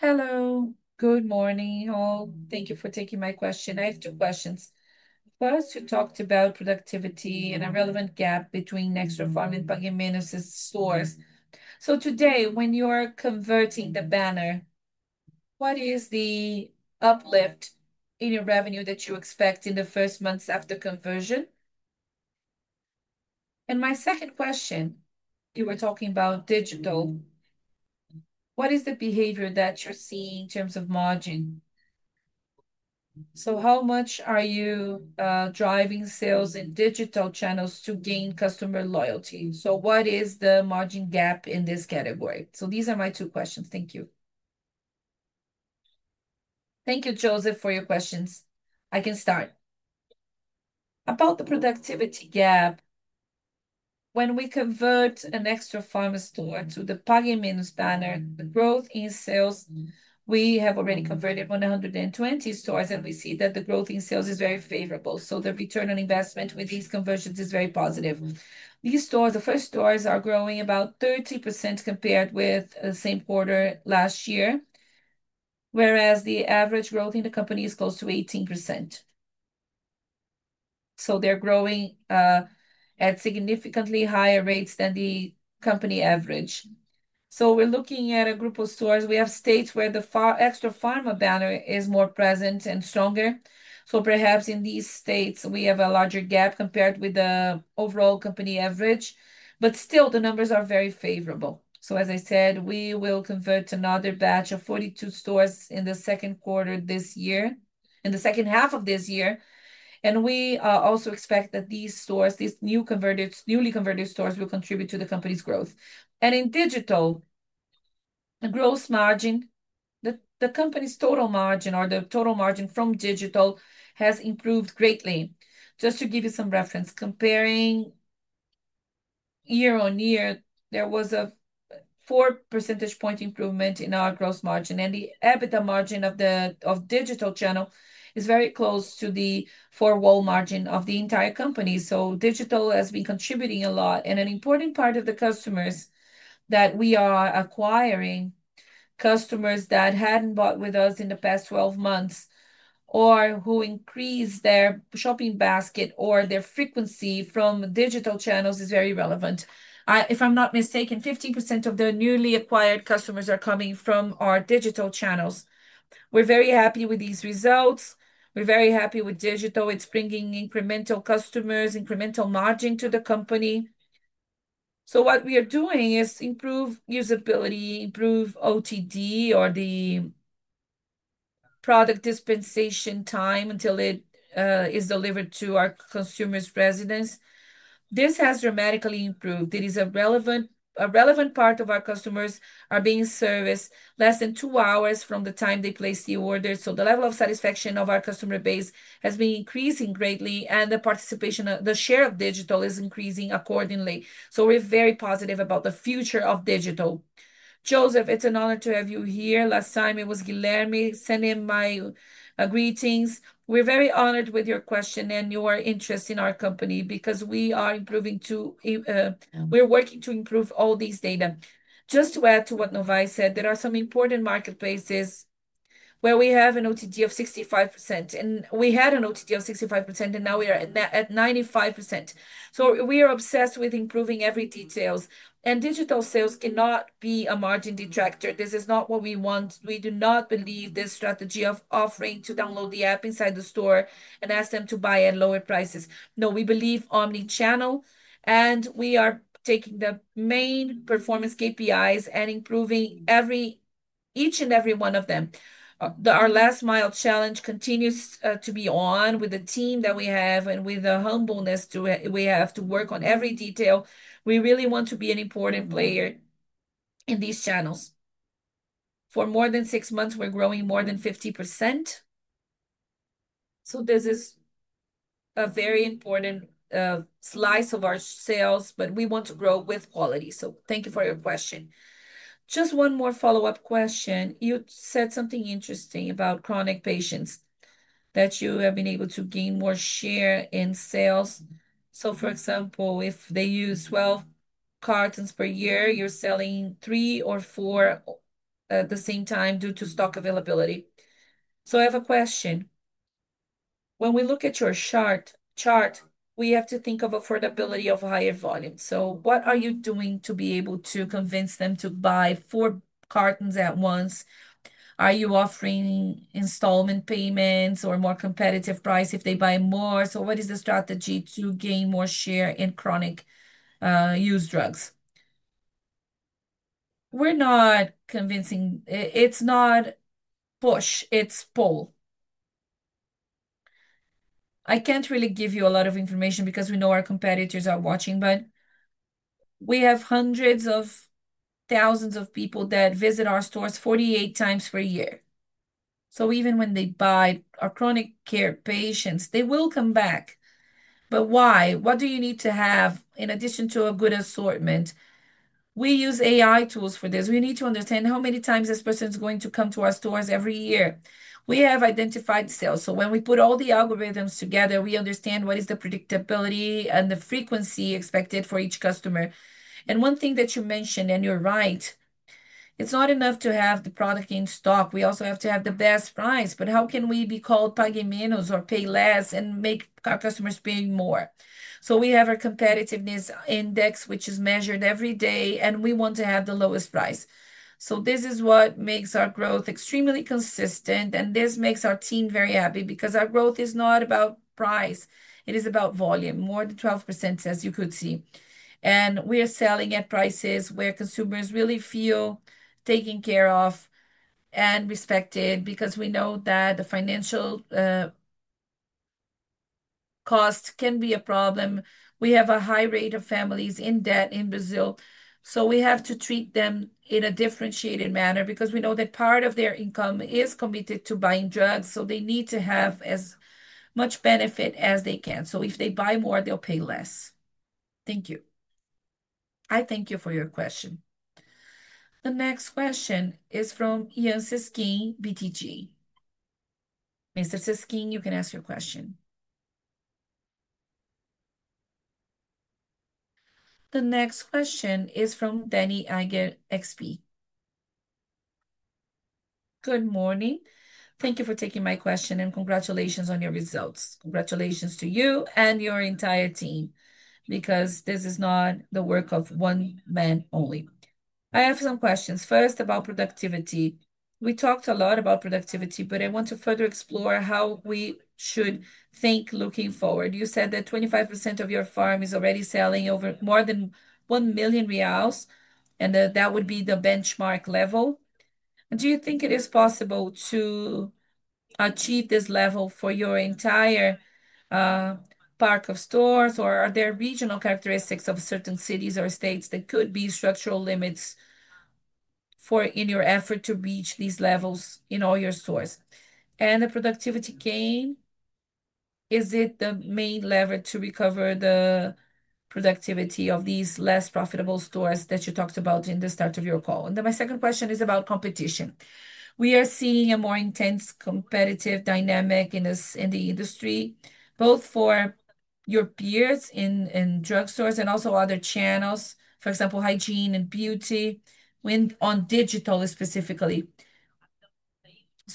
Hello. Good morning, all. Thank you for taking my question. I have two questions. First, you talked about productivity and a relevant gap between Extrafarma and Pague Menos' stores. Today, when you're converting the banner, what is the uplift in your revenue that you expect in the first months after conversion? My second question, you were talking about digital. What is the behavior that you're seeing in terms of margin? How much are you driving sales in digital channels to gain customer loyalty? What is the margin gap in this category? These are my two questions. Thank you. Thank you, Joseph, for your questions. I can start. About the productivity gap, when we convert an Extrafarma store to the Pague Menos banner, the growth in sales, we have already converted 120 stores, and we see that the growth in sales is very favorable. The return on investment with these conversions is very positive. These stores, the first stores are growing about 30% compared with the same quarter last year, whereas the average growth in the company is close to 18%. They are growing at significantly higher rates than the company average. We are looking at a group of stores. We have states where the Extrafarma banner is more present and stronger. Perhaps in these states, we have a larger gap compared with the overall company average, but still, the numbers are very favorable. As I said, we will convert another batch of 42 stores in the second quarter this year, in the second half of this year, and we also expect that these stores, these newly converted stores will contribute to the company's growth. In digital, the gross margin, the company's total margin or the total margin from digital has improved greatly. Just to give you some reference, comparing year-on-year, there was a 4% improvement in our gross margin, and the EBITDA margin of the digital channel is very close to the four-wall margin of the entire company. Digital has been contributing a lot, and an important part of the customers that we are acquiring, customers that hadn't bought with us in the past 12 months or who increased their shopping basket or their frequency from digital channels is very relevant. If I'm not mistaken, 15% of the newly acquired customers are coming from our digital channels. We're very happy with these results. We're very happy with digital. It's bringing incremental customers, incremental margin to the company. What we are doing is improve usability, improve OTD or the product dispensation time until it is delivered to our consumers' residence. This has dramatically improved. It is a relevant part of our customers being serviced less than two hours from the time they place the order. The level of satisfaction of our customer base has been increasing greatly, and the participation of the share of digital is increasing accordingly. We're very positive about the future of digital. Joseph, it's an honor to have you here. Last time, it was Guilherme sending my greetings. We're very honored with your question and your interest in our company because we are working to improve all these data Just to add to what Novais said, there are some important marketplaces where we have an OTD of 65%, and now we are at 95%. We are obsessed with improving every detail, and digital sales cannot be a margin detractor. This is not what we want. We do not believe this strategy of offering to download the app inside the store and ask them to buy at lower prices. No, we believe omnichannel, and we are taking the main performance KPIs and improving each and every one of them. Our last mile challenge continues to be on with the team that we have and with the humbleness we have to work on every detail. We really want to be an important player in these channels. For more than six months, we're growing more than 50%. This is a very important slice of our sales, but we want to grow with quality. Thank you for your question. Just one more follow-up question. You said something interesting about chronic patients that you have been able to gain more share in sales. For example, if they use 12 cartons per year, you're selling three or four at the same time due to stock availability. I have a question. When we look at your chart, we have to think of affordability of higher volume. What are you doing to be able to convince them to buy four cartons at once? Are you offering installment payments or a more competitive price if they buy more? What is the strategy to gain more share in chronic-use drugs? We're not convincing. It's not push. It's pull. I can't really give you a lot of information because we know our competitors are watching, but we have hundreds of thousands of people that visit our stores 48 times per year. Even when they buy, our chronic care patients will come back. Why? What do you need to have in addition to a good assortment? We use AI tools for this. We need to understand how many times this person is going to come to our stores every year. We have identified sales. When we put all the algorithms together, we understand what is the predictability and the frequency expected for each customer. One thing that you mentioned, and you're right, it's not enough to have the product in stock. We also have to have the best price. How can we be called Pague Menos or pay less and make customers pay more? We have a competitiveness index which is measured every day, and we want to have the lowest price. This is what makes our growth extremely consistent, and this makes our team very happy because our growth is not about price. It is about volume, more than 12%, as you could see. We are selling at prices where consumers really feel taken care of and respected because we know that the financial cost can be a problem. We have a high rate of families in debt in Brazil. We have to treat them in a differentiated manner because we know that part of their income is committed to buying drugs. They need to have as much benefit as they can. If they buy more, they'll pay less. Thank you. I thank you for your question. The next question is from [Ian Sisking, BTG. Mr. Sisking], you can ask your question. The next question is from Danny Eiger, XP. Good morning. Thank you for taking my question and congratulations on your results. Congratulations to you and your entire team because this is not the work of one man only. I have some questions. First, about productivity. We talked a lot about productivity, but I want to further explore how we should think looking forward. You said that 25% of your farm is already selling over more than 1 million reais, and that that would be the benchmark level. Do you think it is possible to achieve this level for your entire park of stores, or are there regional characteristics of certain cities or states that could be structural limits in your effort to reach these levels in all your stores? The productivity gain, is it the main lever to recover the productivity of these less profitable stores that you talked about in the start of your call? My second question is about competition. We are seeing a more intense competitive dynamic in the industry, both for your peers in drug stores and also other channels, for example, hygiene and beauty, when on digital specifically.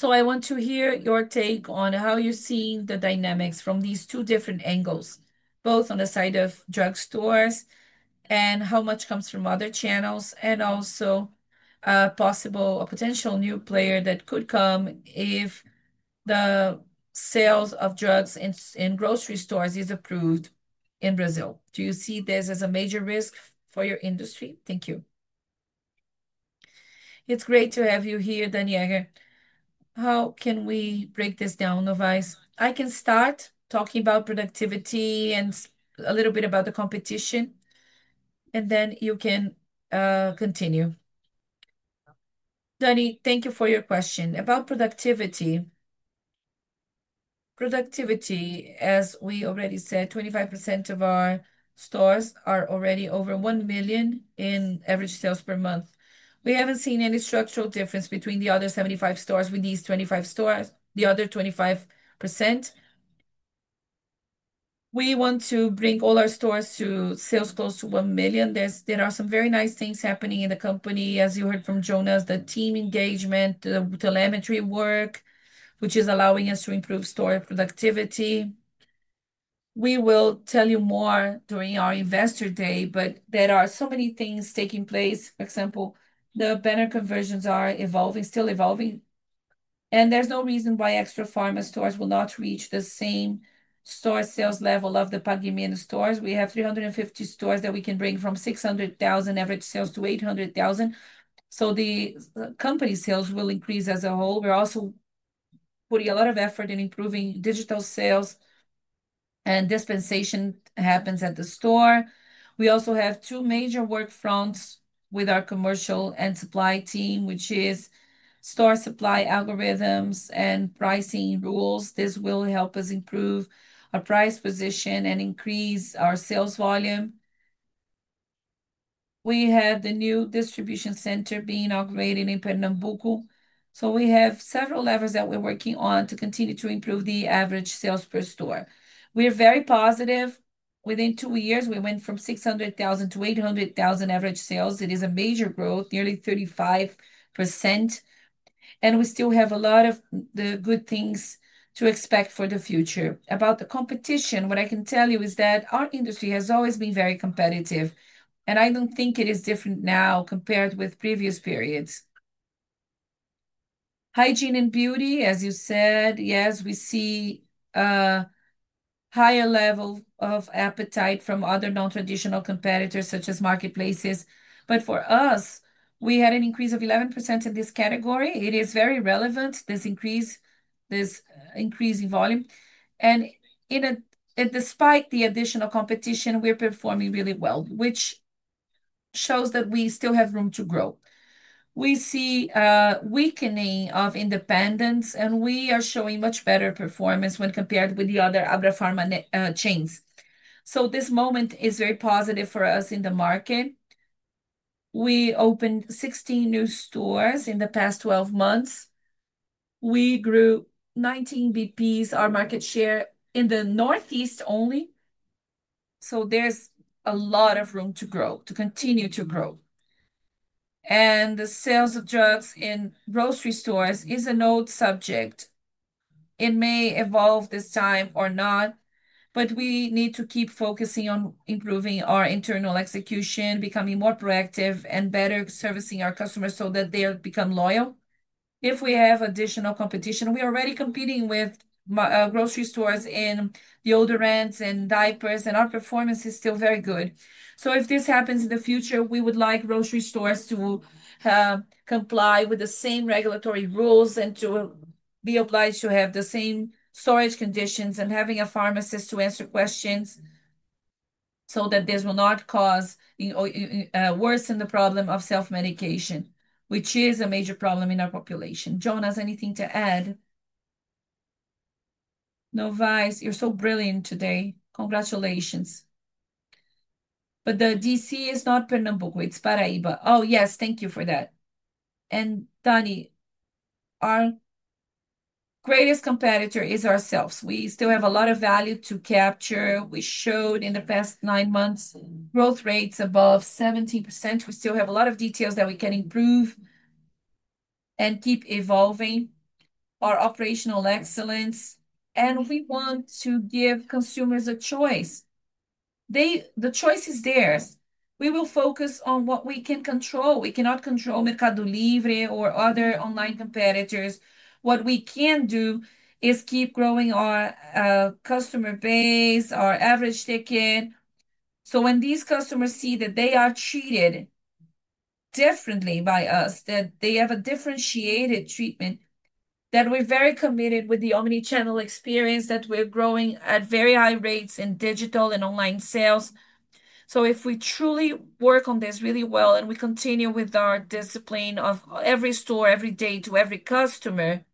I want to hear your take on how you're seeing the dynamics from these two different angles, both on the side of drug stores and how much comes from other channels, and also a possible potential new player that could come if the sales of drugs in grocery stores is approved in Brazil. Do you see this as a major risk for your industry? Thank you. It's great to have you here, Danny Eiger. How can we break this down, Novais? I can start talking about productivity and a little bit about the competition, and then you can continue. Danny, thank you for your question. About productivity, as we already said, 25% of our stores are already over 1 million in average sales per month. We haven't seen any structural difference between the other 75% of stores and these 25%. We want to bring all our stores to sales close to 1 million. There are some very nice things happening in the company, as you heard from Jonas, the team engagement, the telemetry work, which is allowing us to improve store productivity. We will tell you more during our investor day, but there are so many things taking place. For example, the banner conversions are evolving, still evolving, and there's no reason why Extrafarma stores will not reach the same store sales level of the Pague Menos stores. We have 350 stores that we can bring from 600,000 average sales to 800,000. The company sales will increase as a whole. We're also putting a lot of effort in improving digital sales, and dispensation happens at the store. We also have two major work fronts with our commercial and supply team, which is store supply algorithms and pricing rules. This will help us improve our price position and increase our sales volume. We have the new distribution center being operated in Pernambuco. We have several levers that we're working on to continue to improve the average sales per store. We're very positive. Within two years, we went from 600,000 to 800,000 average sales. It is a major growth, nearly 35%. We still have a lot of the good things to expect for the future. About the competition, what I can tell you is that our industry has always been very competitive, and I don't think it is different now compared with previous periods. Hygiene and beauty, as you said, yes, we see a higher level of appetite from other non-traditional competitors such as marketplaces. For us, we had an increase of 11% in this category. It is very relevant, this increase in volume. Despite the additional competition, we're performing really well, which shows that we still have room to grow. We see a weakening of independents, and we are showing much better performance when compared with the other Extrafarma chains. This moment is very positive for us in the market. We opened 16 new stores in the past 12 months. We grew 19 bps, our market share in the Northeast only. There is a lot of room to grow, to continue to grow. The sales of drugs in grocery stores is an old subject and may evolve this time or not, but we need to keep focusing on improving our internal execution, becoming more proactive, and better servicing our customers so that they'll become loyal. If we have additional competition, we are already competing with grocery stores in deodorants and diapers, and our performance is still very good. If this happens in the future, we would like grocery stores to comply with the same regulatory rules and to be obliged to have the same storage conditions and have a pharmacist to answer questions so that this will not cause or worsen the problem of self-medication, which is a major problem in our population. Jonas, anything to add? Novais, you're so brilliant today. Congratulations. The DC is not Pernambuco. It's Paraiba. Oh, yes. Thank you for that. Danny, our greatest competitor is ourselves. We still have a lot of value to capture. We showed in the past nine months growth rates above 17%. We still have a lot of details that we can improve and keep evolving, our operational excellence, and we want to give consumers a choice. The choice is theirs. We will focus on what we can control. We cannot control Mercado Livre or other online competitors. What we can do is keep growing our customer base, our average ticket. When these customers see that they are treated differently by us, that they have a differentiated treatment, that we're very committed with the omnichannel experience, that we're growing at very high rates in digital and online sales. If we truly work on this really well and we continue with our discipline of every store, every day to every customer,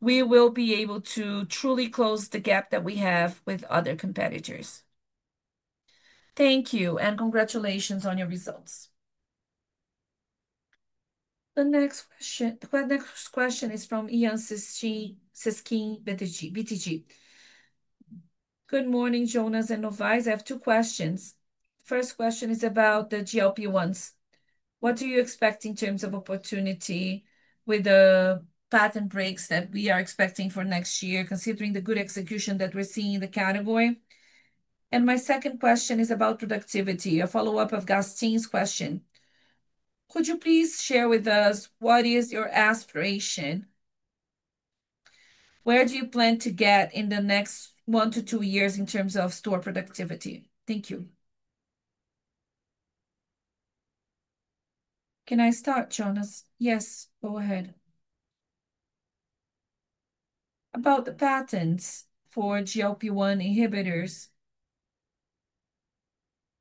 we will be able to truly close the gap that we have with other competitors. Thank you, and congratulations on your results. The next question is from [Ian Sisking] BTG. Good morning, Jonas and Novais. I have two questions. First question is about the GLP-1s. What do you expect in terms of opportunity with the patent breaks that we are expecting for next year, considering the good execution that we're seeing in the category? My second question is about productivity, a follow-up of Gastim's question. Could you please share with us what is your aspiration? Where do you plan to get in the next one to two years in terms of store productivity? Thank you. Can I start, Jonas? Yes, go ahead. About the patents for GLP-1 inhibitors,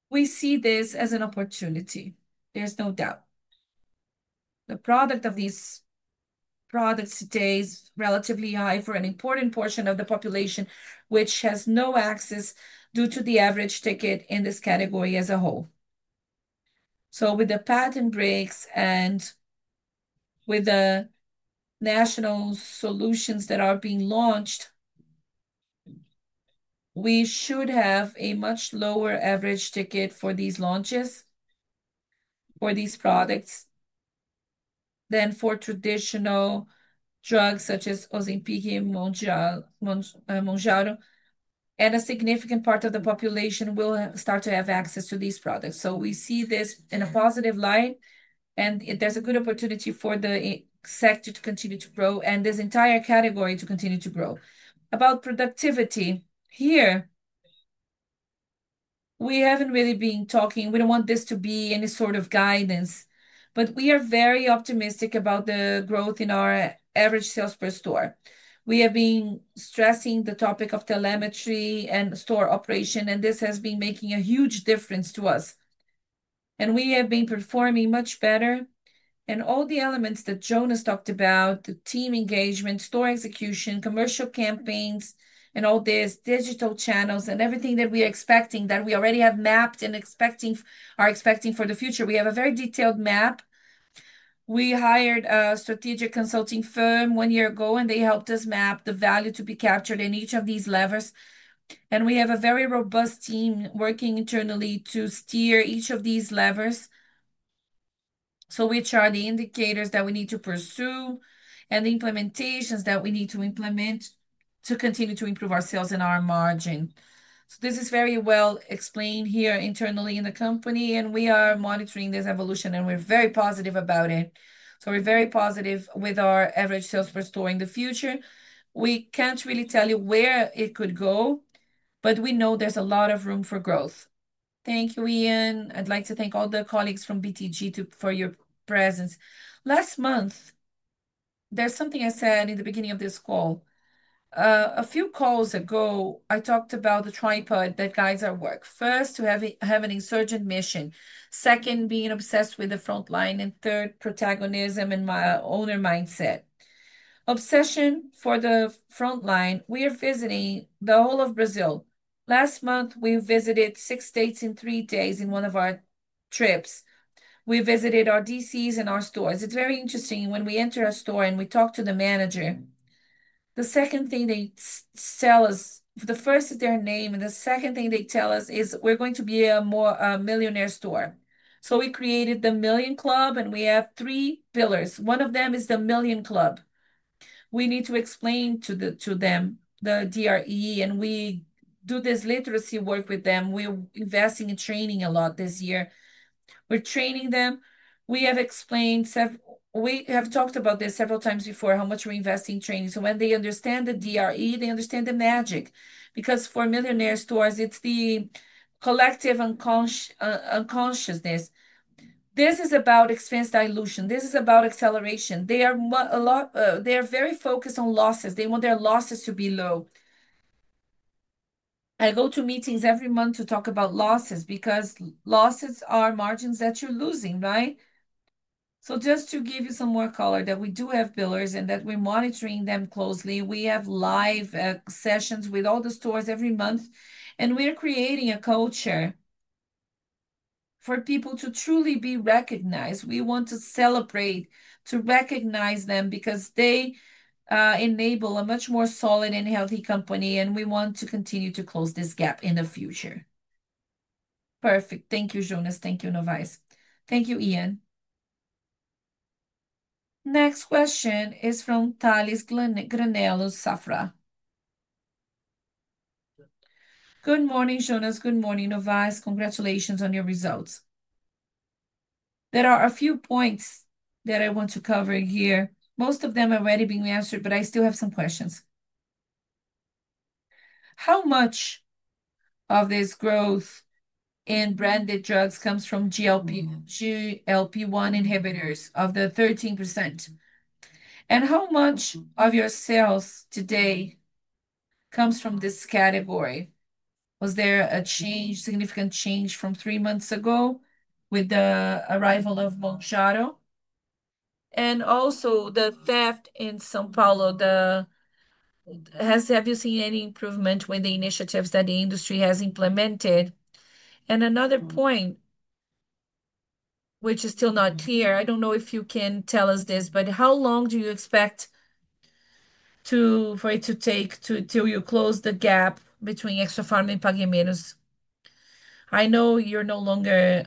we see this as an opportunity. There's no doubt. The price of these products today is relatively high for an important portion of the population, which has no access due to the average ticket in this category as a whole. With the patent breaks and with the national solutions that are being launched, we should have a much lower average ticket for these launches, for these products, than for traditional drugs such as Ozempic and Mounjaro, and a significant part of the population will start to have access to these products. We see this in a positive light, and there's a good opportunity for the sector to continue to grow and this entire category to continue to grow. About productivity, here, we haven't really been talking. We don't want this to be any sort of guidance, but we are very optimistic about the growth in our average sales per store. We have been stressing the topic of telemetry and store operation, and this has been making a huge difference to us. We have been performing much better in all the elements that Jonas talked about: the team engagement, store execution, commercial campaigns, and all these digital channels and everything that we are expecting, that we already have mapped and are expecting for the future. We have a very detailed map. We hired a strategic consulting firm one year ago, and they helped us map the value to be captured in each of these levers. We have a very robust team working internally to steer each of these levers. Which are the indicators that we need to pursue and the implementations that we need to implement to continue to improve our sales and our margin? This is very well explained here internally in the company, and we are monitoring this evolution, and we're very positive about it. We're very positive with our average sales per store in the future. We can't really tell you where it could go, but we know there's a lot of room for growth. Thank you, Ian. I'd like to thank all the colleagues from BTG for your presence. Last month, there's something I said in the beginning of this call. A few calls ago, I talked about the tripod that guides our work. First, to have an insurgent mission. Second, being obsessed with the front line. Third, protagonism and my owner mindset. Obsession for the front line. We are visiting the whole of Brazil. Last month, we visited six states in three days in one of our trips. We visited our DCs and our stores. It's very interesting when we enter a store and we talk to the manager. The second thing they sell us, the first is their name, and the second thing they tell us is we're going to be a more millionaire store. We created the Million Club, and we have three pillars. One of them is the Million Club. We need to explain to them the DRE, and we do this literacy work with them. We're investing in training a lot this year. We're training them. We have explained several, we have talked about this several times before, how much we invest in training. When they understand the DRE, they understand the magic because for millionaire stores, it's the collective unconsciousness. This is about expense dilution. This is about acceleration. They are very focused on losses. They want their losses to be low. I go to meetings every month to talk about losses because losses are margins that you're losing, right? Just to give you some more color that we do have pillars and that we're monitoring them closely. We have live sessions with all the stores every month, and we are creating a culture for people to truly be recognized. We want to celebrate, to recognize them because they enable a much more solid and healthy company, and we want to continue to close this gap in the future. Perfect. Thank you, Jonas. Thank you, Novais. Thank you, Ian. Next question is from [Thales Granellos] Safra. Good morning, Jonas. Good morning, Novais. Congratulations on your results. There are a few points that I want to cover here. Most of them are already being answered, but I still have some questions. How much of this growth in branded drugs comes from GLP-1 inhibitors of the 13%? How much of your sales today comes from this category? Was there a significant change from three months ago with the arrival of Mounjaro? Also, the theft in São Paulo, have you seen any improvement with the initiatives that the industry has implemented? Another point, which is still not clear, I don't know if you can tell us this, but how long do you expect for it to take till you close the gap between Extrafarma and Pague Menos? I know you're no longer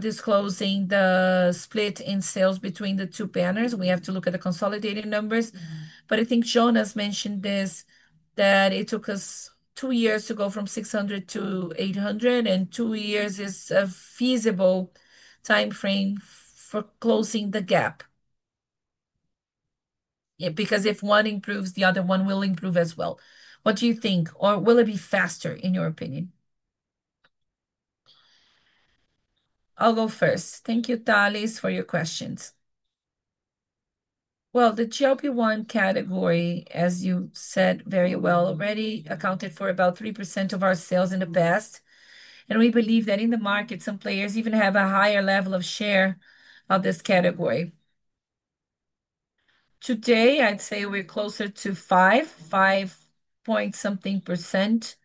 disclosing the split in sales between the two banners. We have to look at the consolidated numbers. I think Jonas mentioned this, that it took us two years to go from 600,000 to 800,000, and two years is a feasible timeframe for closing the gap. Yeah, because if one improves, the other one will improve as well. What do you think, or will it be faster, in your opinion? I'll go first. Thank you, Thales, for your questions. The GLP-1 category, as you said very well already, accounted for about 3% of our sales in the past. We believe that in the market, some players even have a higher level of share of this category. Today, I'd say we're closer to 5, 5 point something percent.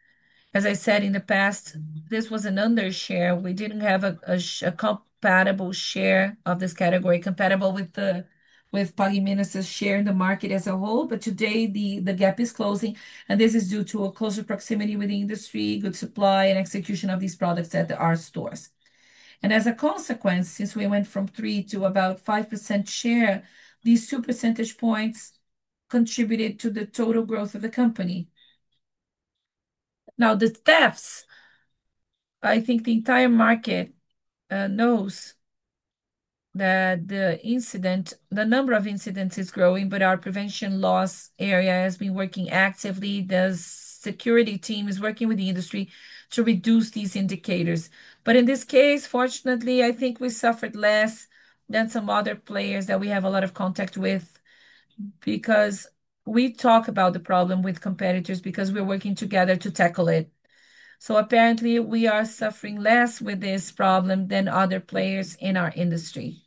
As I said in the past, this was an undershare. We didn't have a compatible share of this category, compatible with Pague Menos's share in the market as a whole. Today, the gap is closing, and this is due to a closer proximity with the industry, good supply, and execution of these products at our stores. As a consequence, since we went from 3% to about 5% share, these two percentage points contributed to the total growth of the company. Now, the thefts, I think the entire market knows that the incident, the number of incidents is growing, but our prevention loss area has been working actively. The security team is working with the industry to reduce these indicators. In this case, fortunately, I think we suffered less than some other players that we have a lot of contact with because we talk about the problem with competitors because we're working together to tackle it. Apparently, we are suffering less with this problem than other players in our industry.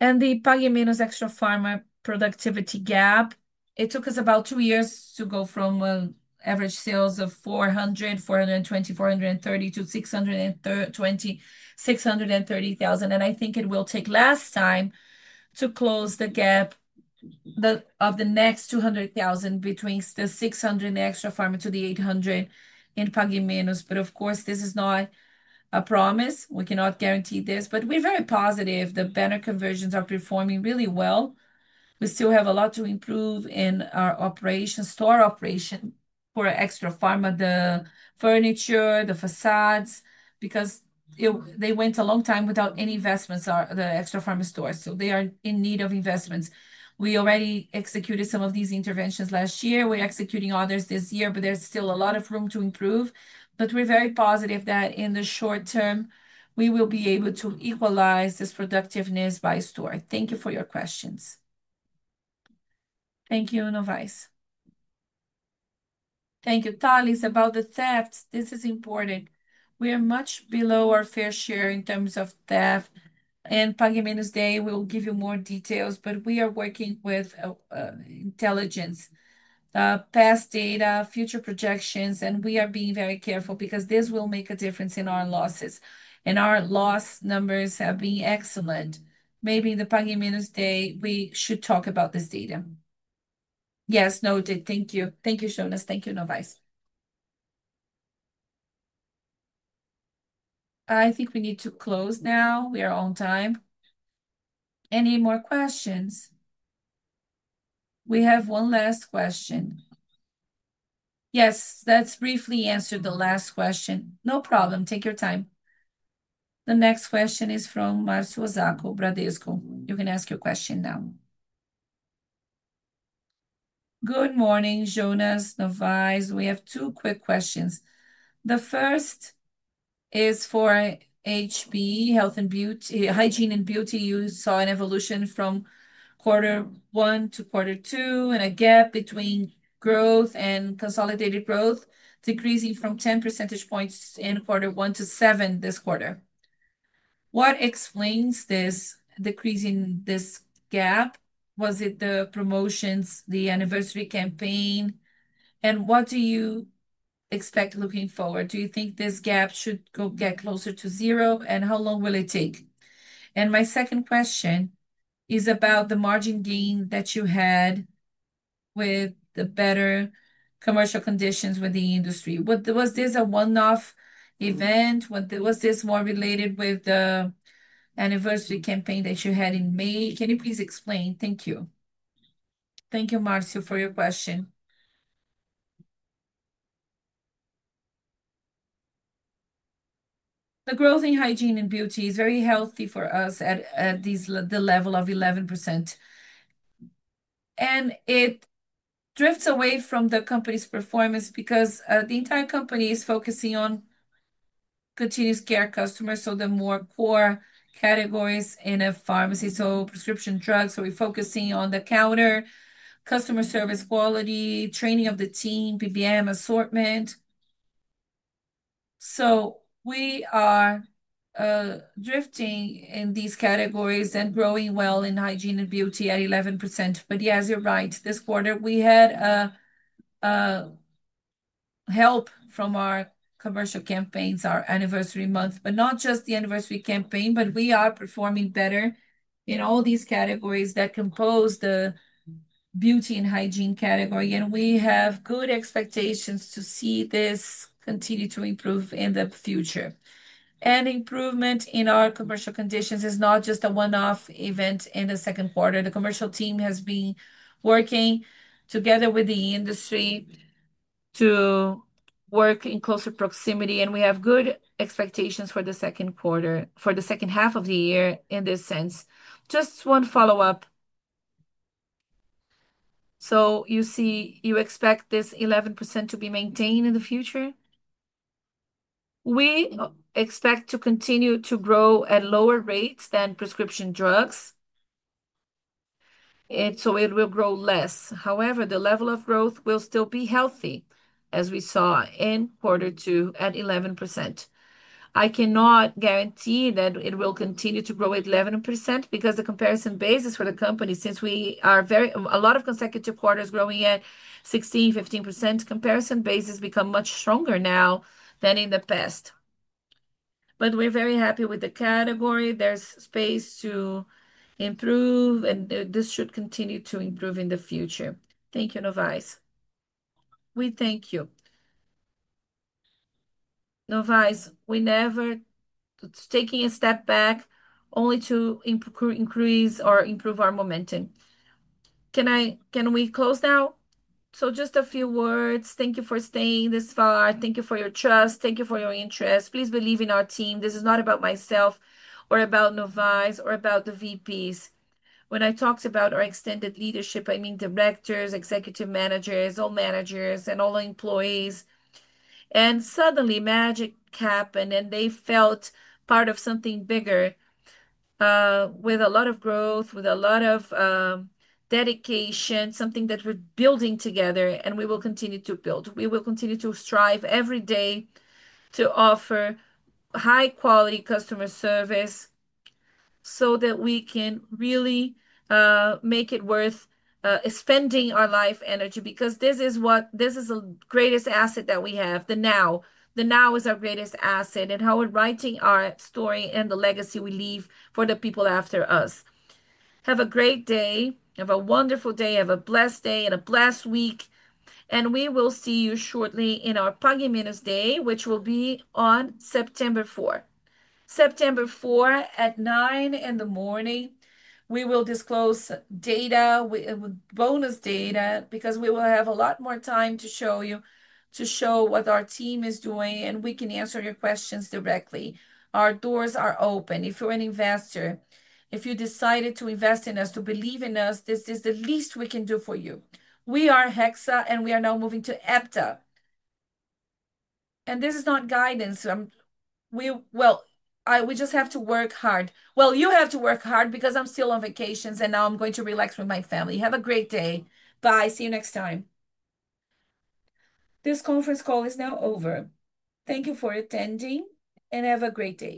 The Pague Menos Extrafarma productivity gap, it took us about two years to go from average sales of 400,000, 420,000, 430,000 to BRL ,620,000, 630,000. I think it will take less time to close the gap of the next 200,000 between the 600,000 in Extrafarma to the 800,000 in Pague Menos. Of course, this is not a promise. We cannot guarantee this, but we're very positive. The banner conversions are performing really well. We still have a lot to improve in our operations, store operation for Extrafarma, the furniture, the facades, because they went a long time without any investments in the Extrafarma stores. They are in need of investments. We already executed some of these interventions last year. We're executing others this year, but there's still a lot of room to improve. We're very positive that in the short term, we will be able to equalize this productiveness by store. Thank you for your questions. Thank you, Novais. Thank you, Thales, about the theft. This is important. We're much below our fair share in terms of theft. At Pague Menos Day, we'll give you more details, but we are working with intelligence, past data, future projections, and we are being very careful because this will make a difference in our losses. Our loss numbers have been excellent. Maybe at Pague Menos Day, we should talk about this data. Yes, noted. Thank you. Thank you, Jonas. Thank you, Novais. I think we need to close now. We are on time. Any more questions? We have one last question. Yes, let's briefly answer the last question. No problem. Take your time. The next question is from [Marcio Zacco], Bradesco. You can ask your question now. Good morning, Jonas, Novais. We have two quick questions. The first is for HB, Health and Beauty, Hygiene and Beauty. You saw an evolution from quarter one to quarter two and a gap between growth and consolidated growth decreasing from 10% in quarter one to 7% this quarter. What explains this decrease in this gap? Was it the promotions, the anniversary campaign? What do you expect looking forward? Do you think this gap should get closer to zero, and how long will it take? My second question is about the margin gain that you had with the better commercial conditions with the industry. Was this a one-off event? Was this more related to the anniversary campaign that you had in May? Can you please explain? Thank you. Thank you, Marcio, for your question. The growth in hygiene and beauty is very healthy for us at the level of 11%. It drifts away from the company's performance because the entire company is focusing on continuous care customers, so the more core categories in a pharmacy, so prescription drugs. We are focusing on the counter, customer service quality, training of the team, PBM assortment. We are drifting in these categories and growing well in hygiene and beauty at 11%. Yes, you're right. This quarter, we had help from our commercial campaigns, our anniversary months, but not just the anniversary campaign. We are performing better in all these categories that compose the beauty and hygiene category. We have good expectations to see this continue to improve in the future. Improvement in our commercial conditions is not just a one-off event in the second quarter. The commercial team has been working together with the industry to work in closer proximity, and we have good expectations for the second quarter, for the second half of the year in this sense. Just one follow-up. You see, you expect this 11% to be maintained in the future? We expect to continue to grow at lower rates than prescription drugs, and it will grow less. However, the level of growth will still be healthy, as we saw in quarter two at 11%. I cannot guarantee that it will continue to grow at 11% because the comparison basis for the company, since we are very, a lot of consecutive quarters growing at 16%, 15%, comparison basis become much stronger now than in the past. We're very happy with the category. There's space to improve, and this should continue to improve in the future. Thank you, Novais. We thank you. Novais, we never take a step back only to increase or improve our momentum. Can we close now? Just a few words. Thank you for staying this far. Thank you for your trust. Thank you for your interest. Please believe in our team. This is not about myself or about Novais or about the VPs. When I talked about our extended leadership, I mean Directors, Executive Managers, all Managers, and all employees. Suddenly, magic happened, and they felt part of something bigger, with a lot of growth, with a lot of dedication, something that we're building together, and we will continue to build. We will continue to strive every day to offer high-quality customer service so that we can really make it worth spending our life energy because this is what this is the greatest asset that we have, the now. The now is our greatest asset and how we're writing our story and the legacy we leave for the people after us. Have a great day. Have a wonderful day. Have a blessed day and a blessed week. We will see you shortly in our Pague Menos Day, which will be on September 4th. September 4th at 9:00 A.M. We will disclose data, bonus data, because we will have a lot more time to show you, to show what our team is doing, and we can answer your questions directly. Our doors are open. If you're an investor, if you decided to invest in us, to believe in us, this is the least we can do for you. We are [Hexa], and we are now moving to [Hepta]. This is not guidance. We just have to work hard. You have to work hard because I'm still on vacation, and now I'm going to relax with my family. Have a great day. Bye. See you next time. This conference call is now over. Thank you for attending, and have a great day.